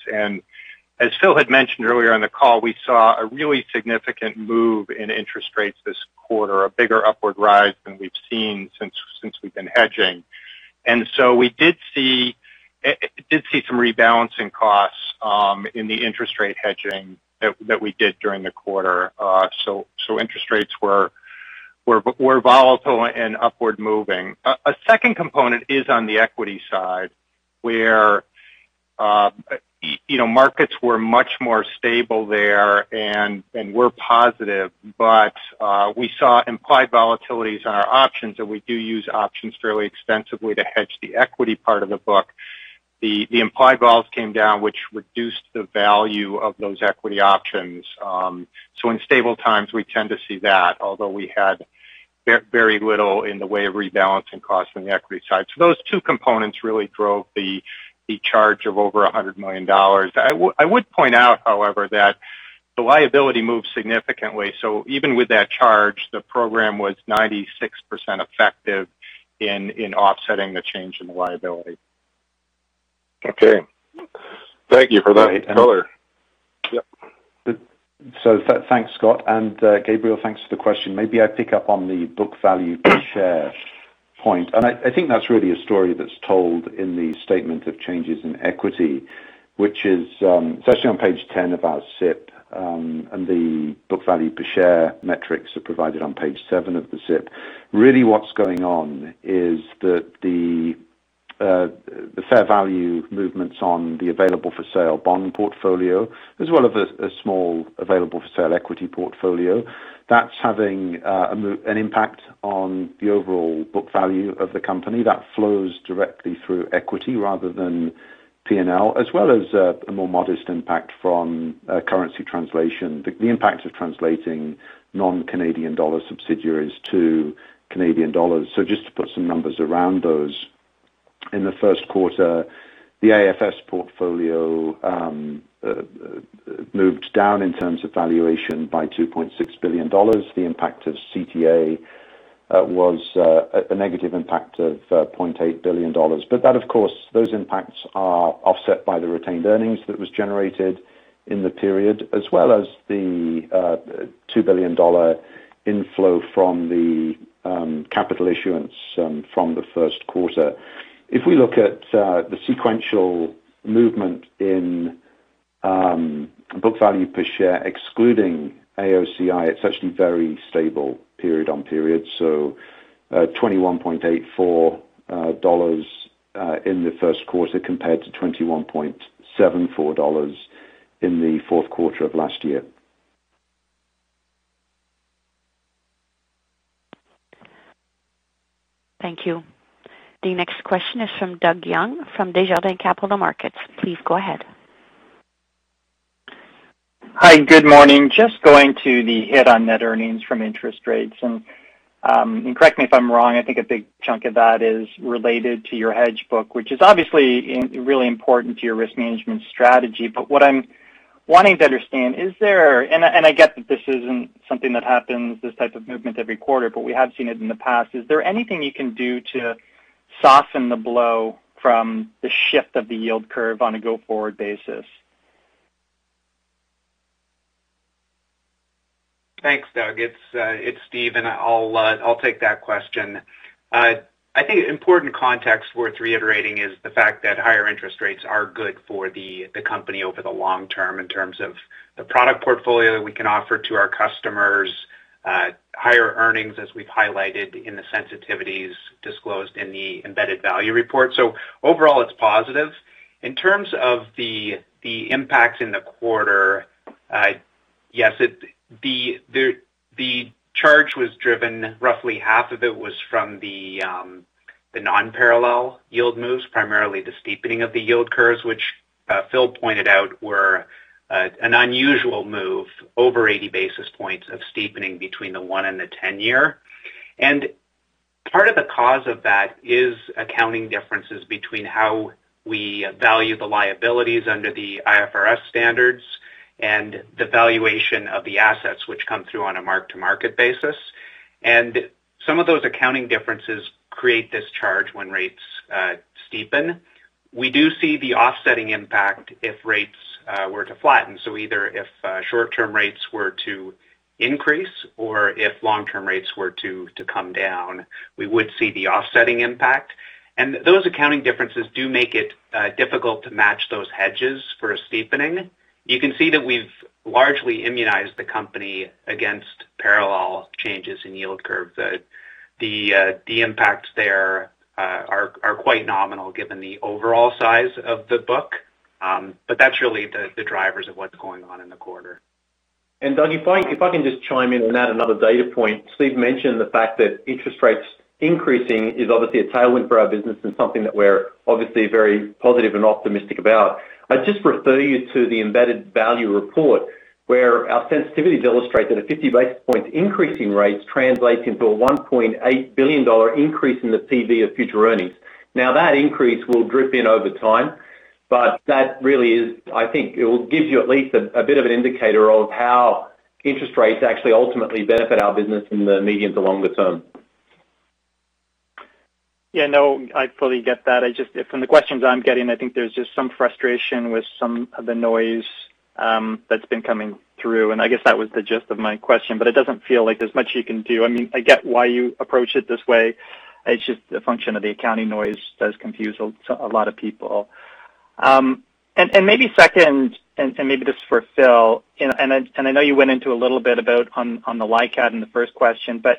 As Phil had mentioned earlier in the call, we saw a really significant move in interest rates this quarter, a bigger upward rise than we've seen since we've been hedging. We did see some rebalancing costs in the interest rate hedging that we did during the quarter. Interest rates were volatile and upward moving. A second component is on the equity side, where markets were much more stable there and were positive. We saw implied volatilities on our options, and we do use options fairly extensively to hedge the equity part of the book. The implied vols came down, which reduced the value of those equity options. In stable times, we tend to see that, although we had very little in the way of rebalancing costs on the equity side. Those two components really drove the charge of over 100 million dollars. I would point out, however, that the liability moved significantly. Even with that charge, the program was 96% effective in offsetting the change in the liability. Okay. Thank you for that color. Yep. Thanks, Scott, and Gabriel, thanks for the question. Maybe I pick up on the book value per share point. I think that's really a story that's told in the statement of changes in equity, which is, it's actually on page 10 of our SIP, and the book value per share metrics are provided on page seven of the SIP. Really what's going on is that the fair value movements on the available-for-sale bond portfolio, as well as a small available-for-sale equity portfolio, that's having an impact on the overall book value of the company. That flows directly through equity rather than P&L, as well as a more modest impact from currency translation, the impact of translating non-Canadian dollar subsidiaries to Canadian dollars. Just to put some numbers around those, in the first quarter, the AFS portfolio moved down in terms of valuation by 2.6 billion dollars. The impact of CTA was a negative impact of 0.8 billion dollars. That, of course, those impacts are offset by the retained earnings that was generated in the period as well as the 2 billion dollar inflow from the capital issuance from the first quarter. If we look at the sequential movement in book value per share, excluding AOCI, it's actually very stable period on period. 21.84 dollars in the first quarter compared to 21.74 dollars in the fourth quarter of last year. Thank you. The next question is from Doug Young from Desjardins Capital Markets. Please go ahead. Hi, good morning. Just going to the hit on net earnings from interest rates, and correct me if I'm wrong, I think a big chunk of that is related to your hedge book, which is obviously really important to your risk management strategy. What I'm wanting to understand, and I get that this isn't something that happens, this type of movement every quarter, but we have seen it in the past. Is there anything you can do to soften the blow from the shift of the yield curve on a go-forward basis? Thanks, Doug. It's Steve, I'll take that question. I think an important context worth reiterating is the fact that higher interest rates are good for the company over the long term in terms of the product portfolio that we can offer to our customers, higher earnings as we've highlighted in the sensitivities disclosed in the embedded value report. Overall, it's positive. In terms of the impact in the quarter, yes, the charge was driven, roughly half of it was from the non-parallel yield moves, primarily the steepening of the yield curves, which Phil pointed out were an unusual move, over 80 basis points of steepening between the one and the 10-year. Part of the cause of that is accounting differences between how we value the liabilities under the IFRS standards and the valuation of the assets which come through on a mark-to-market basis. Some of those accounting differences create this charge when rates steepen. We do see the offsetting impact if rates were to flatten. Either if short-term rates were to increase or if long-term rates were to come down, we would see the offsetting impact. Those accounting differences do make it difficult to match those hedges for a steepening. You can see that we've largely immunized the company against parallel changes in yield curves. The impacts there are quite nominal given the overall size of the book. That's really the drivers of what's going on in the quarter. Doug, if I can just chime in and add another data point. Steve mentioned the fact that interest rates increasing is obviously a tailwind for our business and something that we're obviously very positive and optimistic about. I'd just refer you to the embedded value report, where our sensitivities illustrate that a 50 basis points increase in rates translates into a 1.8 billion dollar increase in the PV of future earnings. That increase will drip in over time, but that really is, I think, it will give you at least a bit of an indicator of how interest rates actually ultimately benefit our business in the medium to longer term. Yeah, no, I fully get that. From the questions I'm getting, I think there's just some frustration with some of the noise that's been coming through, and I guess that was the gist of my question, but it doesn't feel like there's much you can do. I get why you approach it this way. It's just a function of the accounting noise does confuse a lot of people. Maybe second, and maybe this is for Phil, and I know you went into a little bit about on the LICAT in the first question, but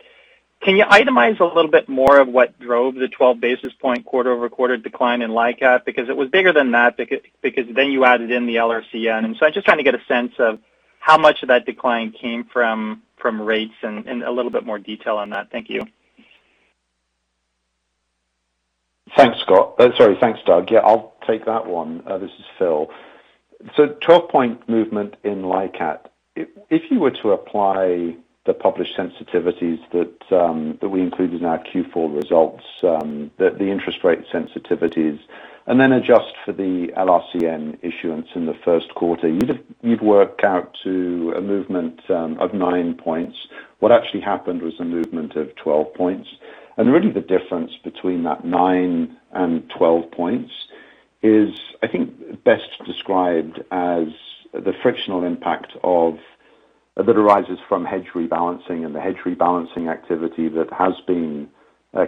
can you itemize a little bit more of what drove the 12 basis points quarter-over-quarter decline in LICAT? Because it was bigger than that, because then you added in the LRCN. I'm just trying to get a sense of how much of that decline came from rates and a little bit more detail on that. Thank you. Thanks, Scott. Thanks, Doug. This is Phil. 12-point movement in LICAT. If you were to apply the published sensitivities that we included in our Q4 results, the interest rate sensitivities. Adjust for the LRCN issuance in the first quarter, you'd work out to a movement of nine points. What actually happened was a movement of 12 points. Really the difference between that nine and 12 points is, I think, best described as the frictional impact that arises from hedge rebalancing and the hedge rebalancing activity that has been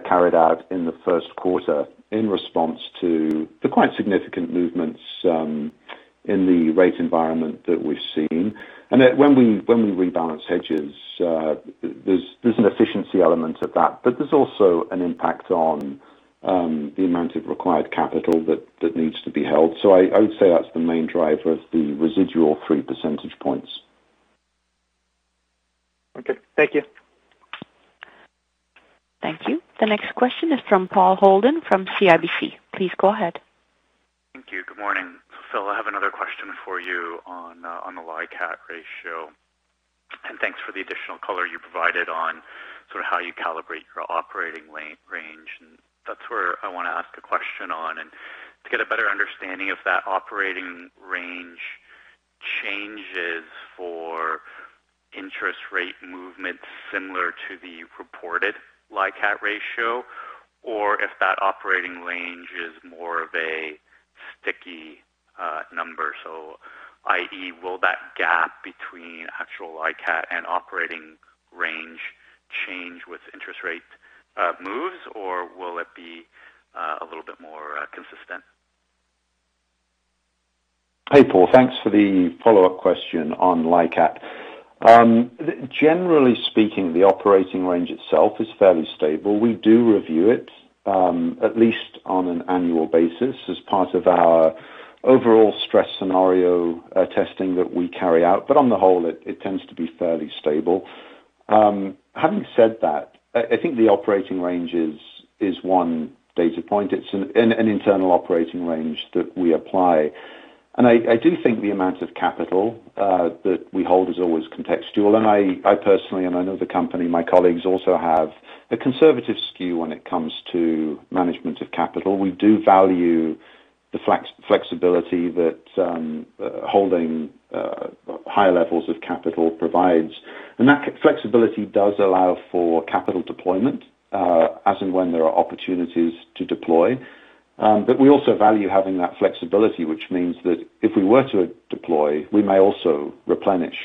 carried out in the first quarter in response to the quite significant movements in the rate environment that we've seen. When we rebalance hedges, there's an efficiency element of that. There's also an impact on the amount of required capital that needs to be held. I would say that's the main driver of the residual three percentage points. Okay. Thank you. Thank you. The next question is from Paul Holden from CIBC. Please go ahead. Thank you. Good morning. Phil, I have another question for you on the LICAT ratio. Thanks for the additional color you provided on sort of how you calibrate your operating range, and that's where I want to ask a question on. To get a better understanding if that operating range changes for interest rate movements similar to the reported LICAT ratio, or if that operating range is more of a sticky number. I.e. will that gap between actual LICAT and operating range change with interest rate moves, or will it be a little bit more consistent? Hey, Paul. Thanks for the follow-up question on LICAT. Generally speaking, the operating range itself is fairly stable. We do review it, at least on an annual basis as part of our overall stress scenario testing that we carry out. On the whole, it tends to be fairly stable. Having said that, I think the operating range is one data point. It's an internal operating range that we apply. I do think the amount of capital that we hold is always contextual, and I personally, and I know the company, my colleagues also have a conservative skew when it comes to management of capital. We do value the flexibility that holding higher levels of capital provides. That flexibility does allow for capital deployment, as and when there are opportunities to deploy. We also value having that flexibility, which means that if we were to deploy, we may also replenish.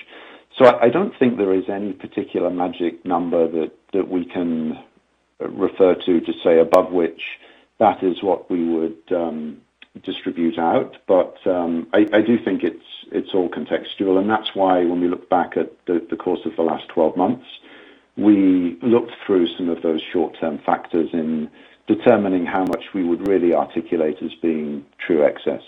I don't think there is any particular magic number that we can refer to say above which that is what we would distribute out. I do think it's all contextual, and that's why when we look back at the course of the last 12 months, we looked through some of those short-term factors in determining how much we would really articulate as being true excess.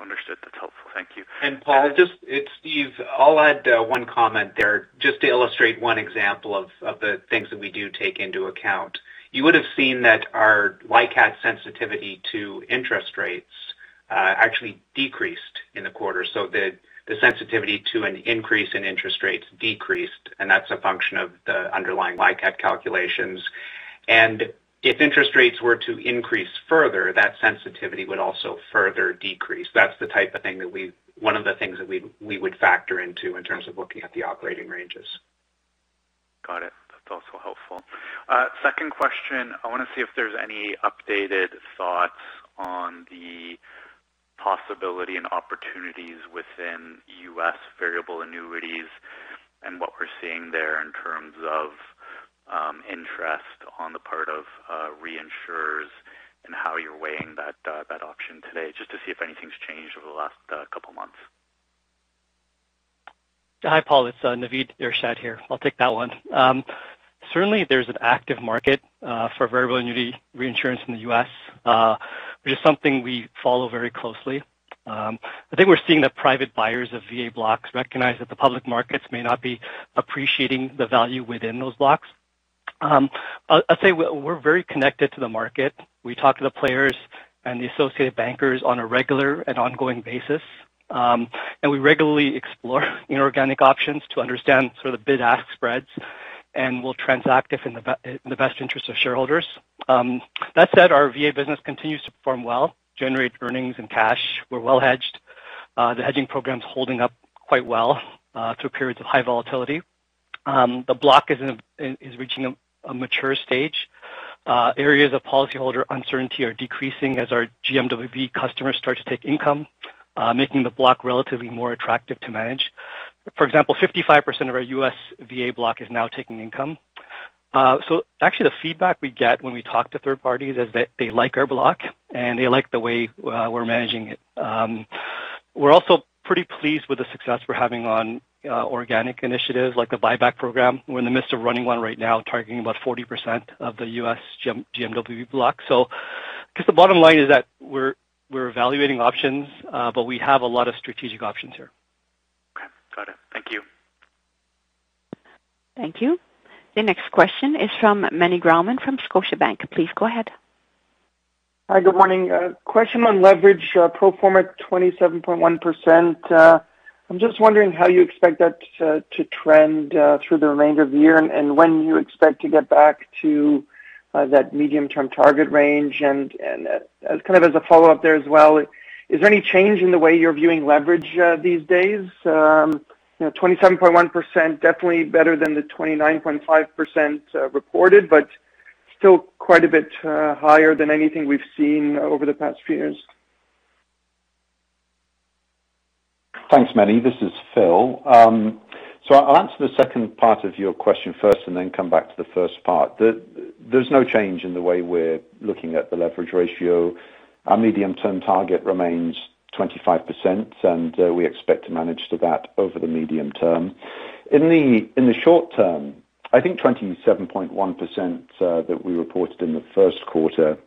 Understood. That's helpful. Thank you. Paul, it's Steve. I'll add one comment there just to illustrate one example of the things that we do take into account. You would have seen that our LICAT sensitivity to interest rates actually decreased in the quarter. The sensitivity to an increase in interest rates decreased, and that's a function of the underlying LICAT calculations. If interest rates were to increase further, that sensitivity would also further decrease. That's one of the things that we would factor into in terms of looking at the operating ranges. Got it. That's also helpful. Second question, I want to see if there's any updated thoughts on the possibility and opportunities within U.S. variable annuities and what we're seeing there in terms of interest on the part of reinsurers and how you're weighing that option today, just to see if anything's changed over the last couple of months. Hi, Paul. It's Naveed Irshad here. I'll take that one. Certainly there's an active market for variable annuity reinsurance in the U.S., which is something we follow very closely. I think we're seeing that private buyers of VA blocks recognize that the public markets may not be appreciating the value within those blocks. I'd say we're very connected to the market. We talk to the players and the associated bankers on a regular and ongoing basis. We regularly explore inorganic options to understand the bid-ask spreads, and we'll transact if in the best interest of shareholders. That said, our VA business continues to perform well, generate earnings and cash. We're well hedged. The hedging program's holding up quite well through periods of high volatility. The block is reaching a mature stage. Areas of policyholder uncertainty are decreasing as our GMWB customers start to take income, making the block relatively more attractive to manage. For example, 55% of our U.S. VA block is now taking income. Actually, the feedback we get when we talk to third parties is that they like our block and they like the way we're managing it. We're also pretty pleased with the success we're having on organic initiatives like the buyback program. We're in the midst of running one right now, targeting about 40% of the U.S. GMWB block. I guess the bottom line is that we're evaluating options, but we have a lot of strategic options here. Okay, got it. Thank you. Thank you. The next question is from Meny Grauman from Scotiabank. Please go ahead. Hi, good morning. Question on leverage pro forma 27.1%. I'm just wondering how you expect that to trend through the remainder of the year, and when you expect to get back to that medium-term target range. As a follow-up there as well, is there any change in the way you're viewing leverage these days? 27.1%, definitely better than the 29.5% reported, but still quite a bit higher than anything we've seen over the past few years. Thanks, Meny. This is Phil. I'll answer the second part of your question first and then come back to the first part. There's no change in the way we're looking at the leverage ratio. Our medium-term target remains 25%, and we expect to manage to that over the medium term. In the short term, I think 27.1% that we reported in the first quarter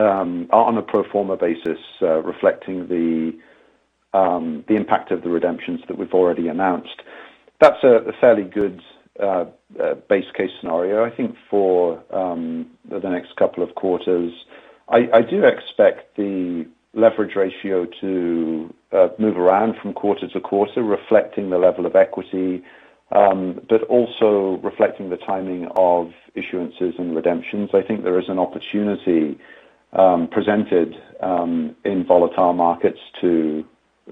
are on a pro forma basis, reflecting the impact of the redemptions that we've already announced. That's a fairly good base case scenario, I think, for the next couple of quarters. I do expect the leverage ratio to move around from quarter to quarter, reflecting the level of equity, but also reflecting the timing of issuances and redemptions. I think there is an opportunity presented in volatile markets to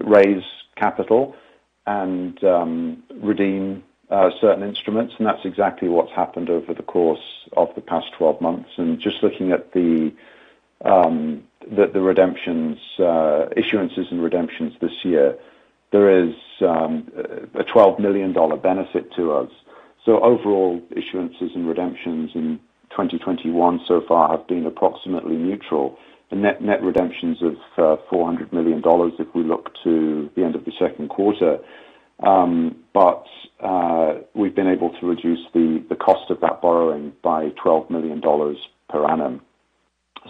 raise capital and redeem certain instruments, and that's exactly what's happened over the course of the past 12 months. Just looking at the issuances and redemptions this year, there is a 12 million dollar benefit to us. Overall, issuances and redemptions in 2021 so far have been approximately neutral. The net redemptions of 400 million dollars if we look to the end of the second quarter. We've been able to reduce the cost of that borrowing by 12 million dollars per annum.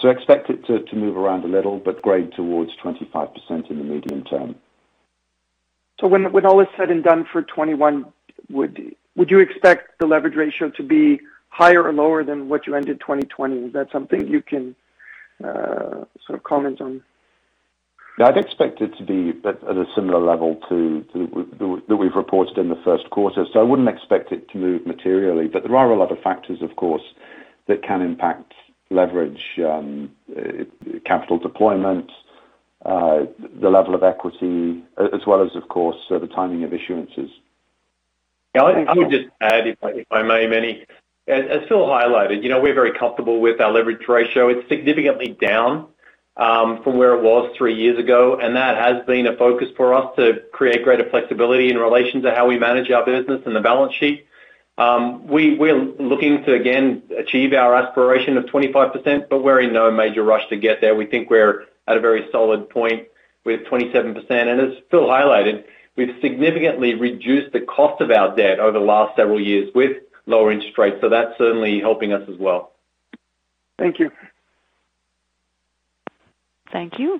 Expect it to move around a little, but grade towards 25% in the medium term. When all is said and done for 2021, would you expect the leverage ratio to be higher or lower than what you ended 2020? Is that something you can comment on? I'd expect it to be at a similar level that we've reported in the first quarter. I wouldn't expect it to move materially. There are a lot of factors, of course, that can impact leverage, capital deployment, the level of equity, as well as, of course, the timing of issuances. I would just add, if I may, Meny. As Phil highlighted, we're very comfortable with our leverage ratio. It's significantly down from where it was three years ago, and that has been a focus for us to create greater flexibility in relation to how we manage our business and the balance sheet. We're looking to again achieve our aspiration of 25%, but we're in no major rush to get there. We think we're at a very solid point with 27%. As Phil highlighted, we've significantly reduced the cost of our debt over the last several years with lower interest rates, so that's certainly helping us as well. Thank you. Thank you.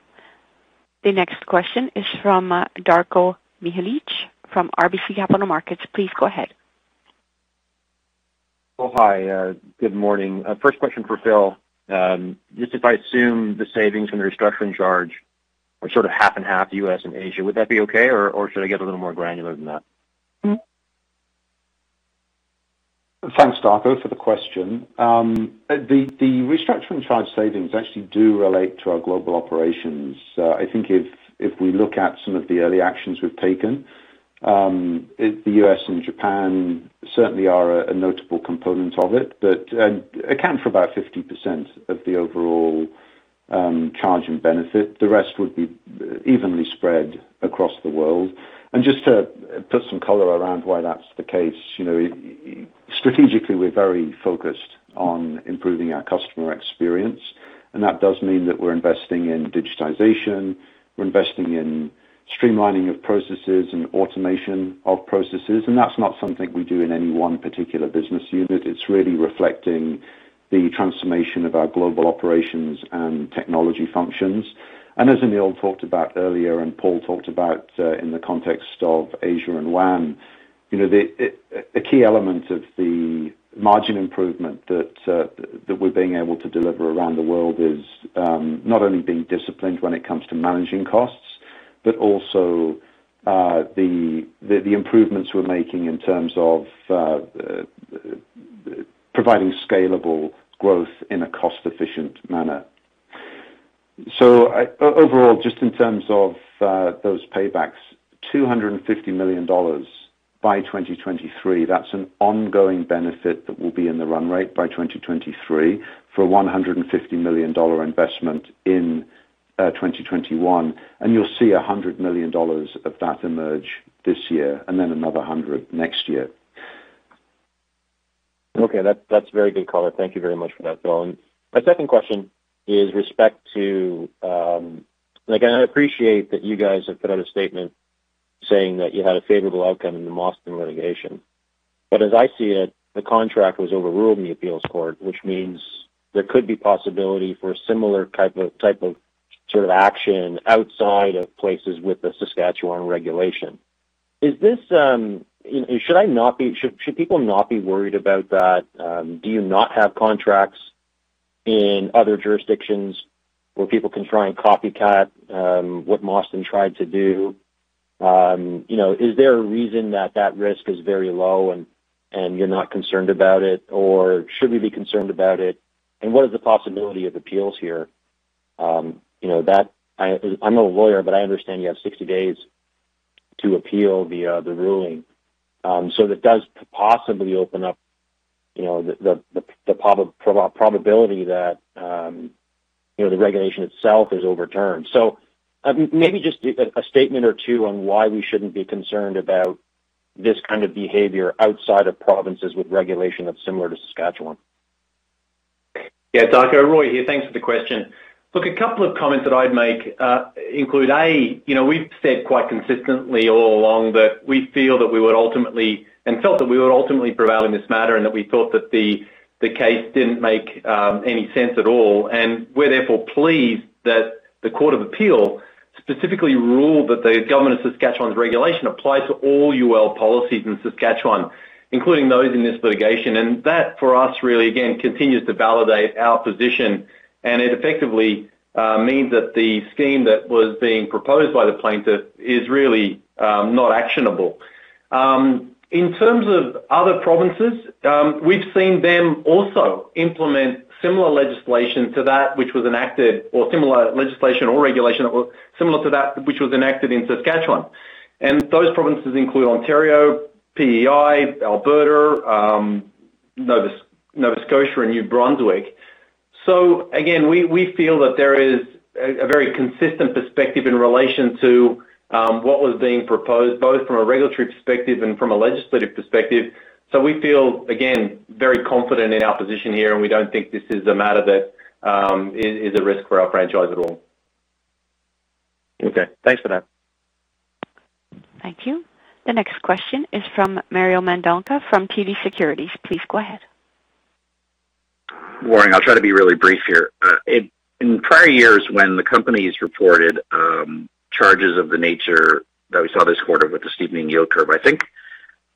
The next question is from Darko Mihelic from RBC Capital Markets. Please go ahead. Oh, hi. Good morning. First question for Phil. Just if I assume the savings from the restructuring charge are half and half U.S. and Asia, would that be okay, or should I get a little more granular than that? Thanks, Darko Mihelic, for the question. The restructuring charge savings actually do relate to our global operations. I think if we look at some of the early actions we've taken, the U.S. and Japan certainly are a notable component of it. Account for about 50% of the overall charge and benefit. The rest would be evenly spread across the world. Just to put some color around why that's the case. Strategically, we're very focused on improving our customer experience. That does mean that we're investing in digitization, we're investing in streamlining of processes and automation of processes, and that's not something we do in any one particular business unit. It's really reflecting the transformation of our global operations and technology functions. As Anil Wadhwani talked about earlier, Paul Holden talked about in the context of Asia and Global WAM, a key element of the margin improvement that we're being able to deliver around the world is not only being disciplined when it comes to managing costs, but also the improvements we're making in terms of providing scalable growth in a cost-efficient manner. Overall, just in terms of those paybacks, 250 million dollars by 2023. That's an ongoing benefit that will be in the run rate by 2023 for a 150 million dollar investment in 2021. You'll see 100 million dollars of that emerge this year, then another 100 million next year. Okay. That's very good color. Thank you very much for that, Phil. My second question is respect to, again, I appreciate that you guys have put out a statement saying that you had a favorable outcome in the Mosten litigation. As I see it, the contract was overruled in the appeals court, which means there could be possibility for a similar type of action outside of places with the Saskatchewan regulation. Should people not be worried about that? Do you not have contracts in other jurisdictions where people can try and copycat what Mosten tried to do? Is there a reason that risk is very low and you're not concerned about it, or should we be concerned about it? What is the possibility of appeals here. I'm no lawyer, but I understand you have 60 days to appeal the ruling. That does possibly open up the probability that the regulation itself is overturned. Maybe just a statement or two on why we shouldn't be concerned about this kind of behavior outside of provinces with regulation that's similar to Saskatchewan. Yeah, Darko. Roy here. Thanks for the question. A couple of comments that I'd make include, A, we've said quite consistently all along that we feel that we would ultimately, and felt that we would ultimately prevail in this matter, and that we thought that the case didn't make any sense at all. We're therefore pleased that the Court of Appeal for Saskatchewan specifically ruled that the government of Saskatchewan's regulation applies to all UL policies in Saskatchewan, including those in this litigation. That, for us, really, again, continues to validate our position, and it effectively means that the scheme that was being proposed by the plaintiff is really not actionable. In terms of other provinces, we've seen them also implement similar legislation to that which was enacted, or similar legislation or regulation similar to that which was enacted in Saskatchewan. Those provinces include Ontario, PEI, Alberta, Nova Scotia, and New Brunswick. Again, we feel that there is a very consistent perspective in relation to what was being proposed, both from a regulatory perspective and from a legislative perspective. We feel, again, very confident in our position here, and we don't think this is a matter that is a risk for our franchise at all. Okay. Thanks for that. Thank you. The next question is from Mario Mendonca from TD Securities. Please go ahead. Morning. I'll try to be really brief here. In prior years, when the companies reported charges of the nature that we saw this quarter with the steepening yield curve, I think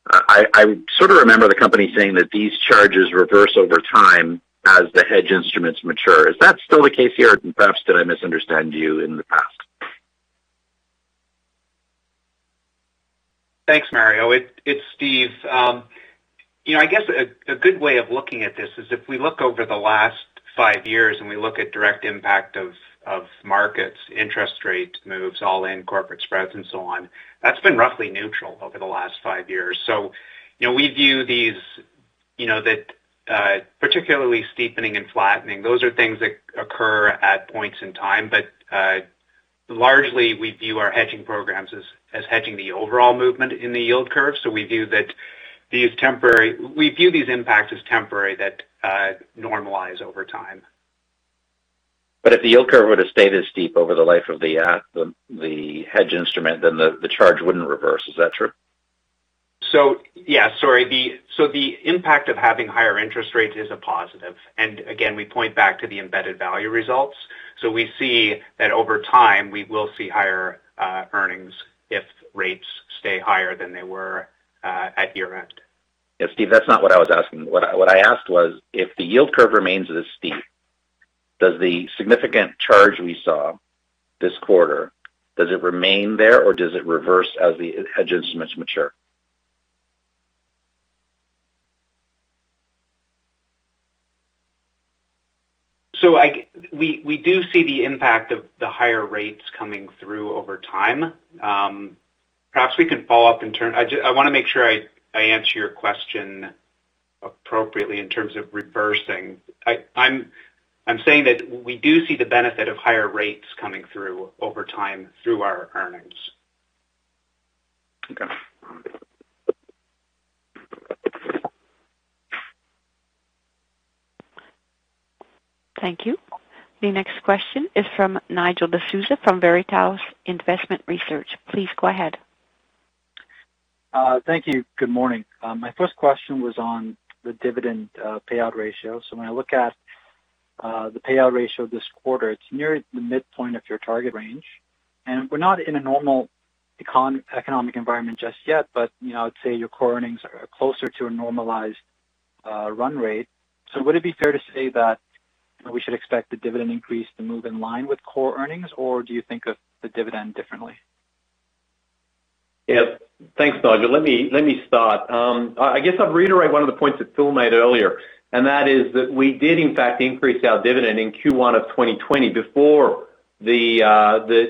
I sort of remember the company saying that these charges reverse over time as the hedge instruments mature. Is that still the case here, or perhaps did I misunderstand you in the past? Thanks, Mario. It's Steve. I guess a good way of looking at this is if we look over the last five years and we look at direct impact of markets, interest rate moves, all-in corporate spreads, and so on, that's been roughly neutral over the last five years. We view these, particularly steepening and flattening, those are things that occur at points in time. Largely, we view our hedging programs as hedging the overall movement in the yield curve. We view these impacts as temporary, that normalize over time. If the yield curve were to stay this steep over the life of the hedge instrument, then the charge wouldn't reverse. Is that true? Yeah. Sorry. The impact of having higher interest rates is a positive. Again, we point back to the embedded value results. We see that over time, we will see higher earnings if rates stay higher than they were at year-end. Yeah, Steve, that's not what I was asking. What I asked was, if the yield curve remains this steep, does the significant charge we saw this quarter, does it remain there, or does it reverse as the hedge instruments mature? We do see the impact of the higher rates coming through over time. Perhaps we can follow up in turn. I want to make sure I answer your question appropriately in terms of reversing. I am saying that we do see the benefit of higher rates coming through over time through our earnings. Okay. Thank you. The next question is from Nigel D'Souza from Veritas Investment Research. Please go ahead. Thank you. Good morning. My first question was on the dividend payout ratio. When I look at the payout ratio this quarter, it's near the midpoint of your target range, and we're not in a normal economic environment just yet, but I would say your core earnings are closer to a normalized run rate. Would it be fair to say that we should expect the dividend increase to move in line with core earnings, or do you think of the dividend differently? Yeah. Thanks, Nigel. Let me start. I guess I'll reiterate one of the points that Phil made earlier, and that is that we did in fact increase our dividend in Q1 of 2020 before the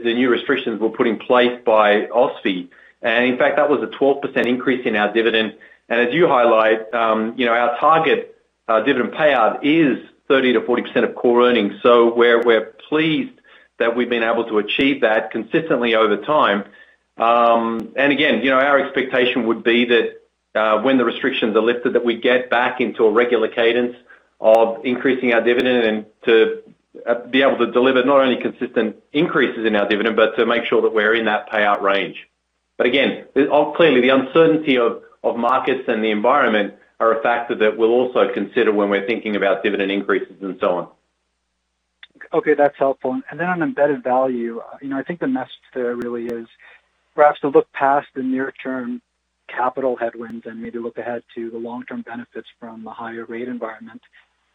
new restrictions were put in place by OSFI. In fact, that was a 12% increase in our dividend. As you highlight, our target dividend payout is 30%-40% of core earnings. We're pleased that we've been able to achieve that consistently over time. Again, our expectation would be that when the restrictions are lifted, that we get back into a regular cadence of increasing our dividend and to be able to deliver not only consistent increases in our dividend, but to make sure that we're in that payout range. Again, clearly the uncertainty of markets and the environment are a factor that we'll also consider when we're thinking about dividend increases and so on. Okay, that's helpful. On embedded value, I think the message there really is perhaps to look past the near-term capital headwinds and maybe look ahead to the long-term benefits from a higher rate environment.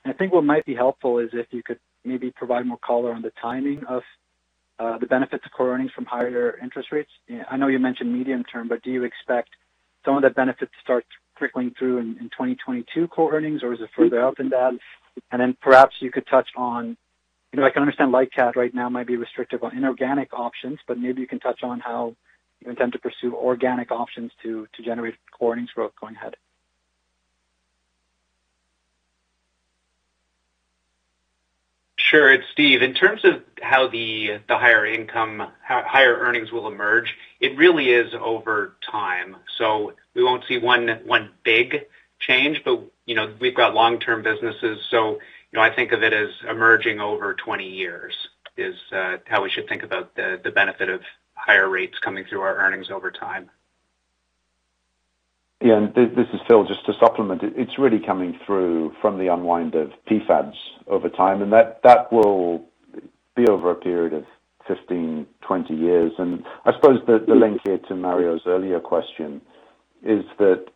I think what might be helpful is if you could maybe provide more color on the timing of the benefit to core earnings from higher interest rates. I know you mentioned medium-term, but do you expect some of that benefit to start trickling through in 2022 core earnings, or is it further out than that? Perhaps you could touch on, I can understand LICAT right now might be restricted by inorganic options, but maybe you can touch on how you intend to pursue organic options to generate core earnings growth going ahead. Sure. It is Steve. In terms of how the higher earnings will emerge, it really is over time. We won't see one big change, but we've got long-term businesses, so I think of it as emerging over 20 years, is how we should think about the benefit of higher rates coming through our earnings over time. Yeah. This is Phil. Just to supplement, it's really coming through from the unwind of PfADs over time. That will be over a period of 15, 20 years. I suppose the link here to Mario's earlier question is that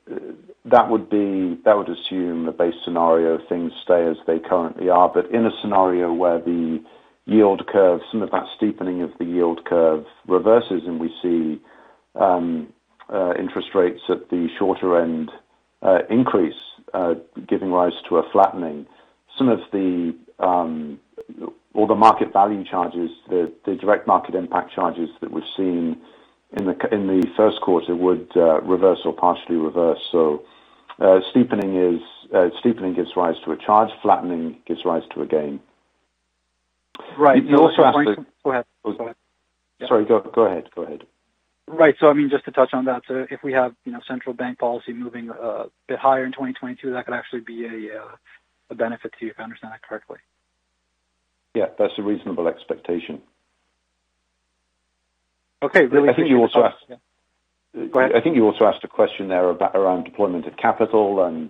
that would assume a base scenario, things stay as they currently are. In a scenario where the yield curve, some of that steepening of the yield curve reverses, we see interest rates at the shorter end increase, giving rise to a flattening. Some of all the market value charges, the direct market impact charges that we've seen in the first quarter would reverse or partially reverse. Steepening gives rise to a charge, flattening gives rise to a gain. Right. You also asked. Go ahead. Sorry, go ahead. Right. I mean, just to touch on that, if we have central bank policy moving a bit higher in 2022, that could actually be a benefit to you, if I understand that correctly. Yeah, that's a reasonable expectation. Okay. I think you also asked- Go ahead. I think you also asked a question there around deployment of capital and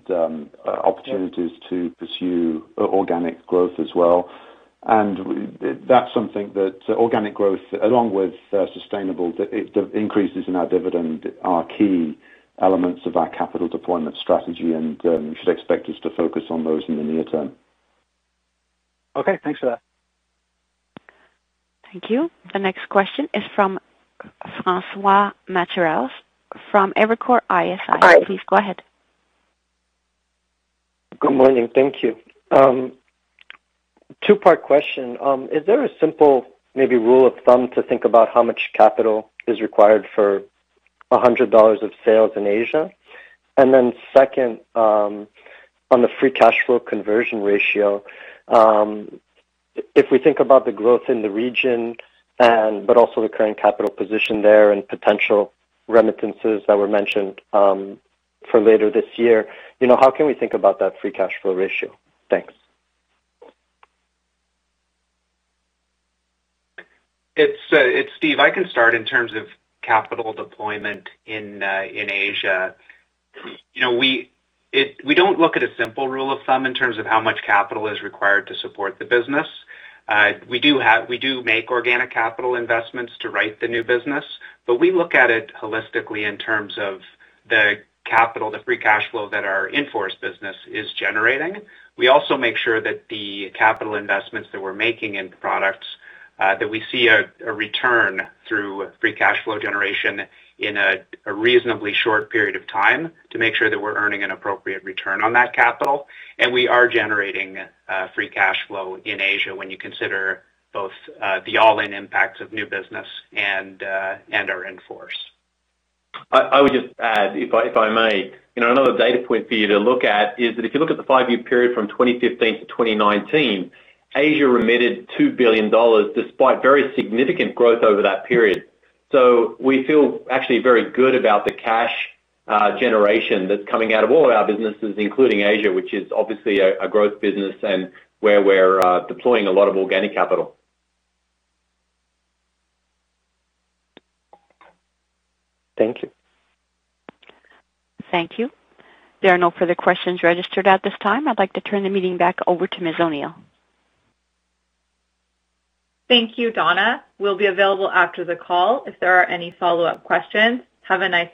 opportunities to pursue organic growth as well. That's something that organic growth, along with sustainable increases in our dividend, are key elements of our capital deployment strategy, and you should expect us to focus on those in the near term. Okay, thanks for that. Thank you. The next question is from Thomas Gallagher from Evercore ISI. Please go ahead. Good morning. Thank you. Two-part question. Is there a simple maybe rule of thumb to think about how much capital is required for 100 dollars of sales in Asia? Second, on the free cash flow conversion ratio, if we think about the growth in the region, but also the current capital position there and potential remittances that were mentioned for later this year, how can we think about that free cash flow ratio? Thanks. It's Steve. I can start in terms of capital deployment in Asia. We don't look at a simple rule of thumb in terms of how much capital is required to support the business. We look at it holistically in terms of the capital, the free cash flow that our in-force business is generating. We also make sure that the capital investments that we're making in products, that we see a return through free cash flow generation in a reasonably short period of time to make sure that we're earning an appropriate return on that capital. We are generating free cash flow in Asia when you consider both the all-in impacts of new business and our in-force. I would just add, if I may. Another data point for you to look at is that if you look at the five-year period from 2015 to 2019, Asia remitted 2 billion dollars, despite very significant growth over that period. We feel actually very good about the cash generation that's coming out of all our businesses, including Asia, which is obviously a growth business and where we're deploying a lot of organic capital. Thank you. Thank you. There are no further questions registered at this time. I'd like to turn the meeting back over to Ms. O'Neill. Thank you, Donna. We'll be available after the call if there are any follow-up questions. Have a nice day.